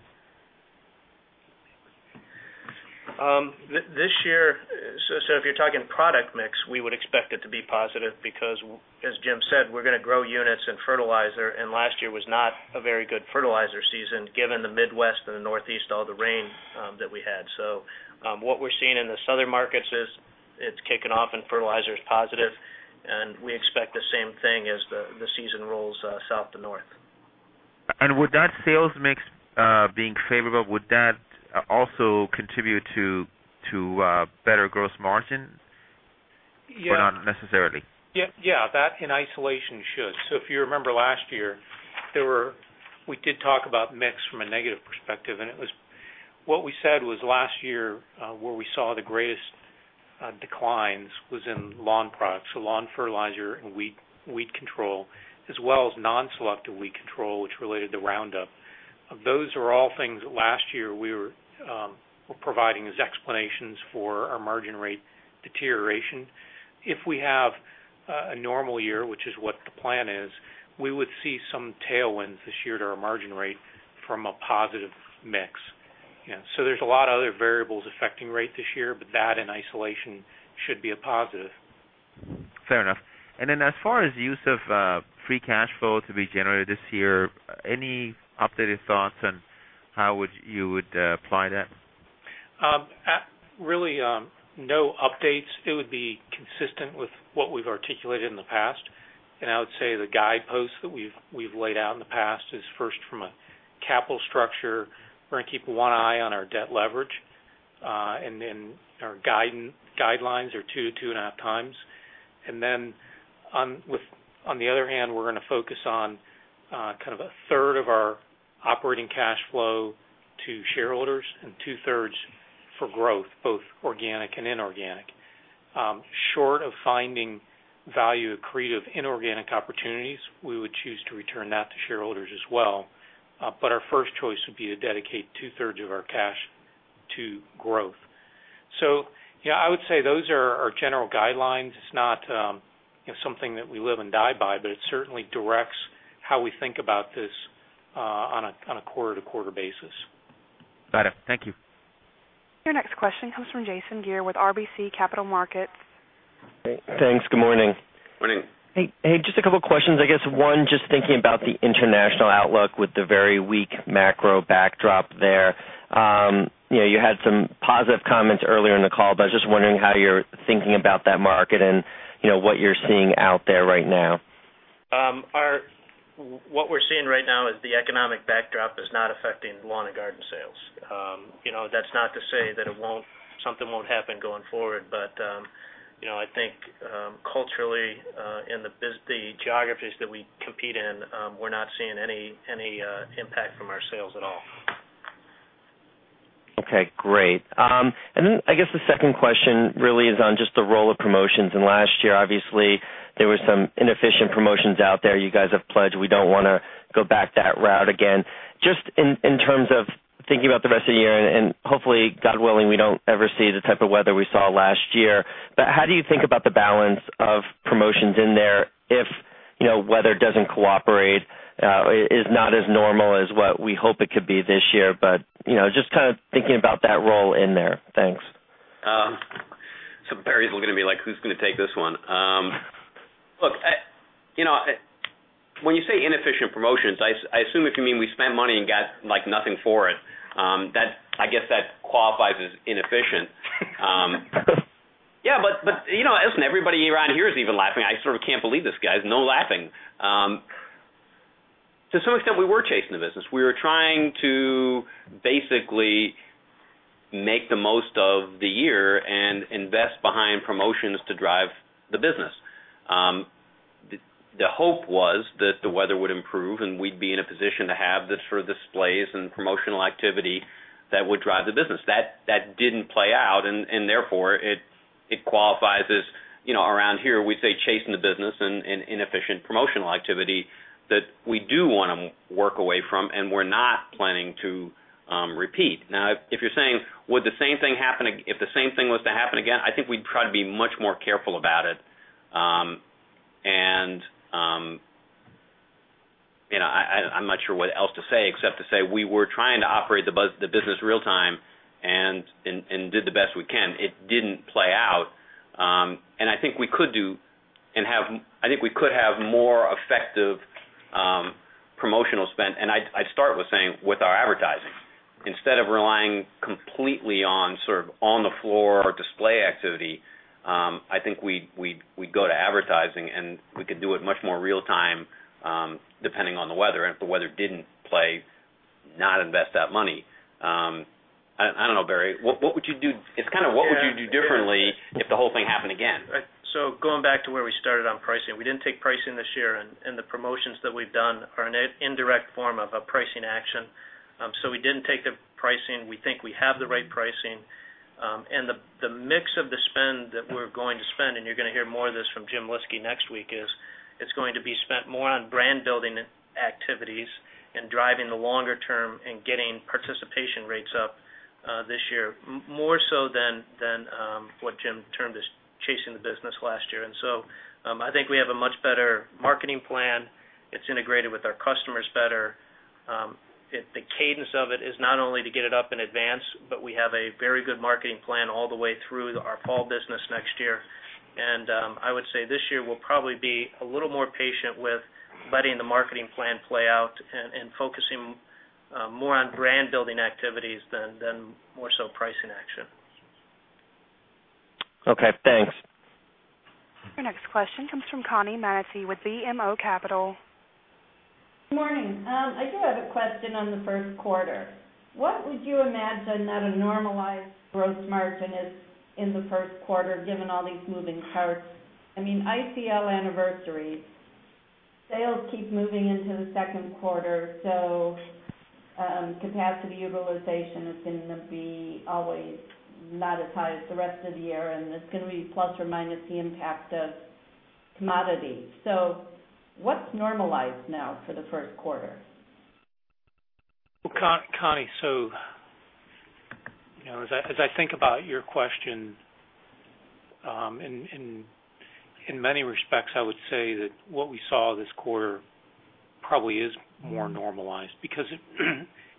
This year, if you're talking product mix, we would expect it to be positive because, as Jim said, we're going to grow units and fertilizer, and last year was not a very good fertilizer season given the Midwest and the Northeast, all the rain that we had. What we're seeing in the southern markets is it's kicking off and fertilizer is positive, and we expect the same thing as the season rolls south to north. Would that sales mix being favorable also contribute to better gross margin? Yeah. Or not necessarily? Yeah, that in isolation should. If you remember last year, we did talk about mix from a negative perspective, and it was what we said was last year where we saw the greatest declines was in lawn products. Lawn fertilizer and weed control, as well as non-selective weed control, which related to Roundup. Those are all things that last year we were providing as explanations for our margin rate deterioration. If we have a normal year, which is what the plan is, we would see some tailwinds this year to our margin rate from a positive mix. There are a lot of other variables affecting rate this year, but that in isolation should be a positive. Fair enough. As far as the use of free cash flow to be generated this year, any updated thoughts on how you would apply that? Really, no updates. It would be consistent with what we've articulated in the past. I would say the guideposts that we've laid out in the past is first from a capital structure. We're going to keep one eye on our debt leverage. Our guidelines are 2x, 2.5x. On the other hand, we're going to focus on kind of a third of our operating cash flow to shareholders and two-thirds for growth, both organic and inorganic. Short of finding value accretive inorganic opportunities, we would choose to return that to shareholders as well. Our first choice would be to dedicate two-thirds of our cash to growth. I would say those are our general guidelines. It's not something that we live and die by, but it certainly directs how we think about this on a quarter-to-quarter basis. Got it. Thank you. Your next question comes from Jason Gere with RBC Capital Markets. Thanks. Good morning. Morning. Hey, just a couple of questions. I guess one, just thinking about the international outlook with the very weak macro backdrop there. You had some positive comments earlier in the call, but I was just wondering how you're thinking about that market and what you're seeing out there right now. What we're seeing right now is the economic backdrop is not affecting lawn and garden sales. That's not to say that something won't happen going forward, but I think culturally in the geographies that we compete in, we're not seeing any impact from our sales at all. Okay, great. I guess the second question really is on just the role of promotions. Last year, obviously, there were some inefficient promotions out there. You guys have pledged we don't want to go back that route again. Just in terms of thinking about the rest of the year, and hopefully, God willing, we don't ever see the type of weather we saw last year. How do you think about the balance of promotions in there if, you know, weather doesn't cooperate, is not as normal as what we hope it could be this year, but, you know, just kind of thinking about that role in there. Thanks. Barry is going to be like, who's going to take this one? Look, you know, when you say inefficient promotions, I assume that you mean we spent money and got like nothing for it. I guess that qualifies as inefficient. Yeah, but you know, listen, everybody around here is even laughing. I sort of can't believe this, guys. No laughing. To some extent, we were chasing the business. We were trying to basically make the most of the year and invest behind promotions to drive the business. The hope was that the weather would improve and we'd be in a position to have the sort of displays and promotional activity that would drive the business. That didn't play out, and therefore it qualifies as, you know, around here, we'd say chasing the business and inefficient promotional activity that we do want to work away from and we're not planning to repeat. Now, if you're saying, would the same thing happen if the same thing was to happen again? I think we'd try to be much more careful about it. You know, I'm not sure what else to say except to say we were trying to operate the business real time and did the best we can. It didn't play out. I think we could do and have, I think we could have more effective promotional spend. I'd start with saying with our advertising. Instead of relying completely on sort of on-the-floor display activity, I think we'd go to advertising and we could do it much more real time depending on the weather. If the weather didn't play, not invest that money. I don't know, Barry. What would you do? It's kind of what would you do differently if the whole thing happened again? Going back to where we started on pricing, we didn't take pricing this year, and the promotions that we've done are an indirect form of a pricing action. We didn't take the pricing. We think we have the right pricing. The mix of the spend that we're going to spend, and you're going to hear more of this from Jim Lyski next week, is it's going to be spent more on brand building activities and driving the longer term and getting participation rates up this year, more so than what Jim termed as chasing the business last year. I think we have a much better marketing plan. It's integrated with our customers better. The cadence of it is not only to get it up in advance, but we have a very good marketing plan all the way through our fall business next year. I would say this year we'll probably be a little more patient with letting the marketing plan play out and focusing more on brand building activities than more so pricing action. Okay, thanks. Your next question comes from Connie Maneaty with BMO Capital. Morning. I do have a question on the first quarter. What would you imagine that a normalized gross margin is in the first quarter given all these moving parts? I mean, ICL anniversary, sales keep moving into the second quarter, capacity utilization is going to be always not as high as the rest of the year, and it's going to be plus or minus the impact of commodity. What's normalized now for the first quarter? As I think about your question, in many respects, I would say that what we saw this quarter probably is more normalized because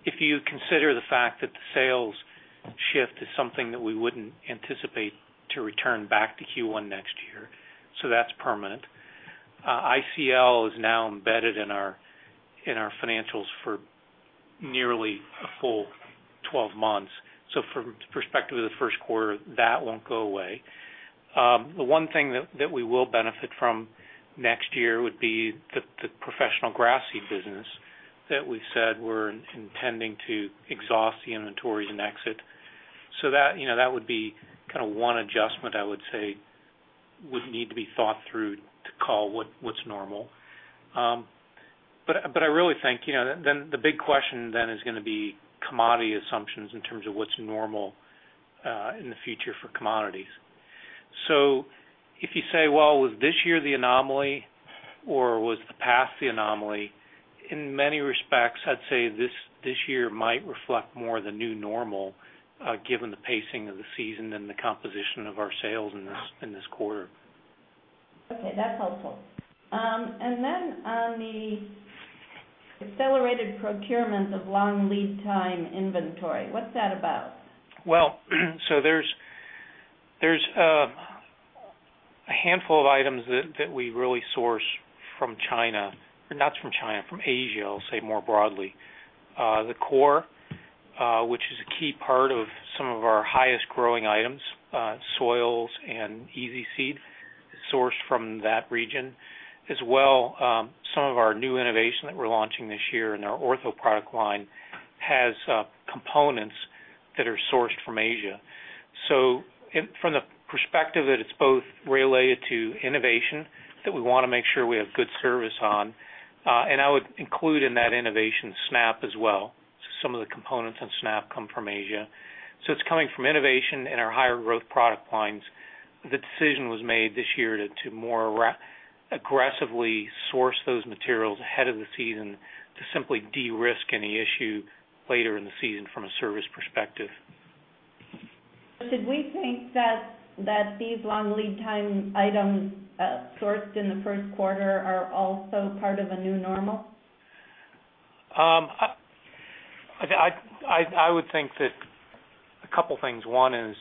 if you consider the fact that the sales shift is something that we wouldn't anticipate to return back to Q1 next year, that's permanent. ICL is now embedded in our financials for nearly a full 12 months. From the perspective of the first quarter, that won't go away. The one thing that we will benefit from next year would be the professional grass seed business that we've said we're intending to exhaust the inventories and exit. That would be kind of one adjustment I would say would need to be thought through to call what's normal. I really think the big question then is going to be commodity assumptions in terms of what's normal in the future for commodities. If you say, was this year the anomaly or was the past the anomaly? In many respects, I'd say this year might reflect more of the new normal given the pacing of the season and the composition of our sales in this quarter. Okay, that's helpful. On the accelerated procurement of long lead time inventory, what's that about? There is a handful of items that we really source from Asia, I'll say more broadly. The corn, which is a key part of some of our highest growing items, soils and easy seed, is sourced from that region. As well, some of our new innovation that we're launching this year in our Ortho product line has components that are sourced from Asia. From the perspective that it's both related to innovation that we want to make sure we have good service on, I would include in that innovation SNAP as well. Some of the components in SNAP come from Asia. It's coming from innovation in our higher growth product lines. The decision was made this year to more aggressively source those materials ahead of the season to simply de-risk any issue later in the season from a service perspective. Should we think that these long lead time items sourced in the first quarter are also part of a new normal? I would think that a couple of things. One is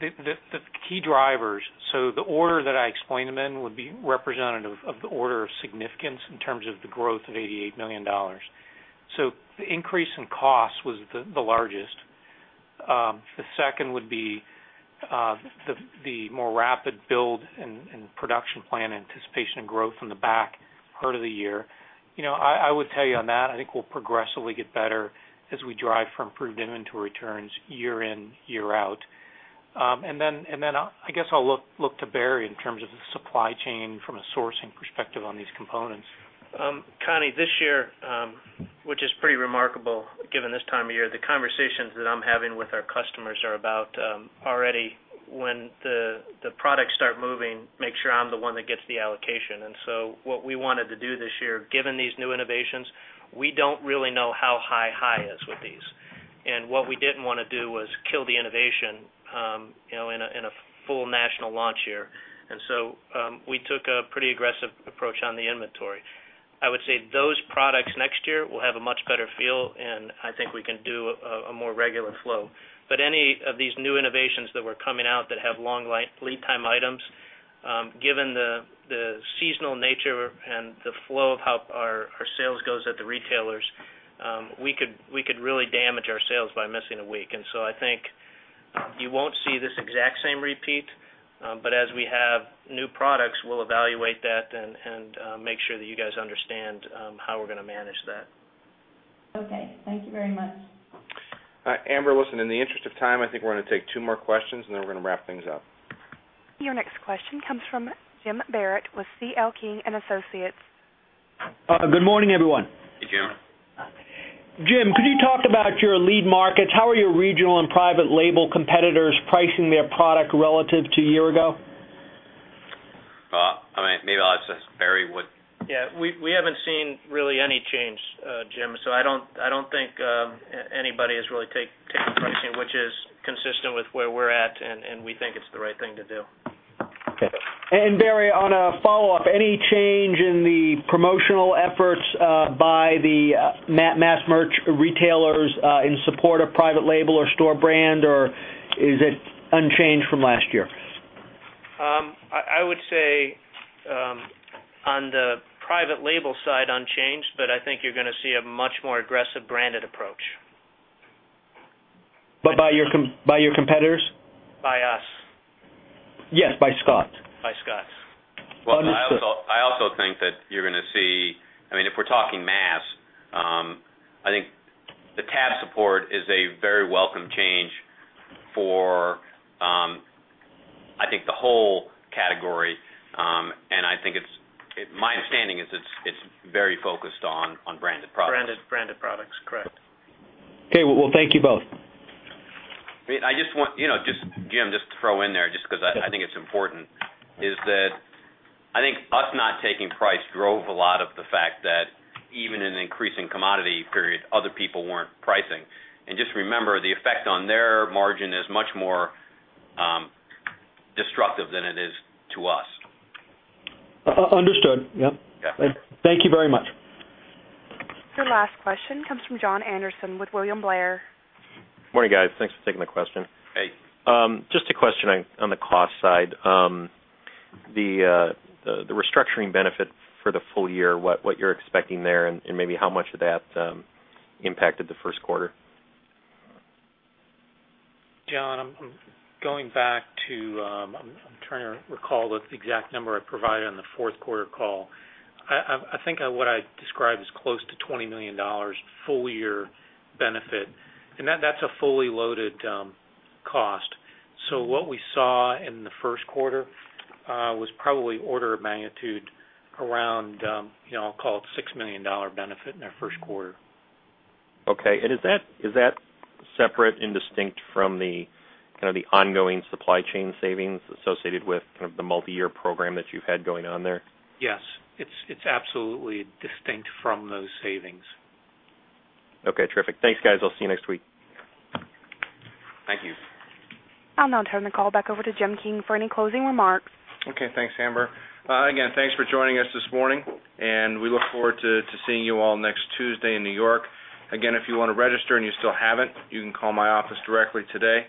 the key drivers. The order that I explained them in would be representative of the order of significance in terms of the growth of $88 million. The increase in cost was the largest. The second would be the more rapid build and production plan anticipation of growth from the back part of the year. I would tell you on that, I think we'll progressively get better as we drive for improved inventory returns year in, year out. I guess I'll look to Barry in terms of the supply chain from a sourcing perspective on these components. Connie, this year, which is pretty remarkable given this time of year, the conversations that I'm having with our customers are about already when the products start moving, make sure I'm the one that gets the allocation. What we wanted to do this year, given these new innovations, we don't really know how high high is with these. What we didn't want to do was kill the innovation, you know, in a full national launch year. We took a pretty aggressive approach on the inventory. I would say those products next year will have a much better feel, and I think we can do a more regular flow. Any of these new innovations that were coming out that have long lead time items, given the seasonal nature and the flow of how our sales goes at the retailers, we could really damage our sales by missing a week. I think you won't see this exact same repeat, but as we have new products, we'll evaluate that and make sure that you guys understand how we're going to manage that. Okay, thank you very much. All right, Amber, listen, in the interest of time, I think we're going to take two more questions, and then we're going to wrap things up. Next question comes from Jim Barrett with C.L. King & Associates. Good morning, everyone. Hey, Jim. Jim, could you talk about your lead markets? How are your regional and private label competitors pricing their product relative to a year ago? Maybe I'll just... Barry would. Yeah, we haven't seen really any change, Jim, so I don't think anybody has really taken pricing, which is consistent with where we're at, and we think it's the right thing to do. Okay. Barry, on a follow-up, any change in the promotional efforts by the mass merch retailers in support of private label or store brand, or is it unchanged from last year? I would say on the private label side, unchanged, but I think you're going to see a much more aggressive branded approach. By your competitors? By us. Yes, by Scotts. By Scotts. Wonderful. I also think that you're going to see, if we're talking mass, I think the tab support is a very welcome change for the whole category. I think it's, my understanding is it's very focused on branded products. Branded products, correct. Thank you both. I mean, I just want, you know, Jim, just throw in there, just because I think it's important, that I think us not taking price drove a lot of the fact that even in an increasing commodity period, other people weren't pricing. Just remember, the effect on their margin is much more destructive than it is to us. Understood. Thank you very much. The last question comes from Jon Andersen with William Blair. Morning, guys. Thanks for taking the question. Hey. Just a question on the cost side. The restructuring benefit for the full year, what you're expecting there, and maybe how much of that impacted the first quarter? John, I'm going back to, I'm trying to recall the exact number I provided on the fourth quarter call. I think what I described is close to $20 million full-year benefit. That's a fully loaded cost. What we saw in the first quarter was probably an order of magnitude around, I'll call it a $6 million benefit in our first quarter. Is that separate and distinct from the ongoing supply chain savings associated with the multi-year program that you've had going on there? Yes, it's absolutely distinct from those savings. Okay. Terrific. Thanks, guys. I'll see you next week. Thank you. I'll now turn the call back over to Jim King for any closing remarks. Okay. Thanks, Amber. Thanks for joining us this morning. We look forward to seeing you all next Tuesday in New York. If you want to register and you still haven't, you can call my office directly today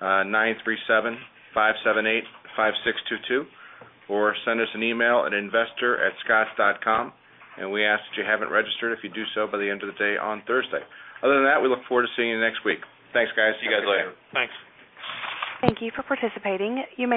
at 937-578-5622, or send us an email at investor@scotts.com. We ask that if you haven't registered, you do so by the end of the day on Thursday. Other than that, we look forward to seeing you next week. Thanks, guys. See you guys later. Thanks, Amber. Thanks. Thank you for participating. You may.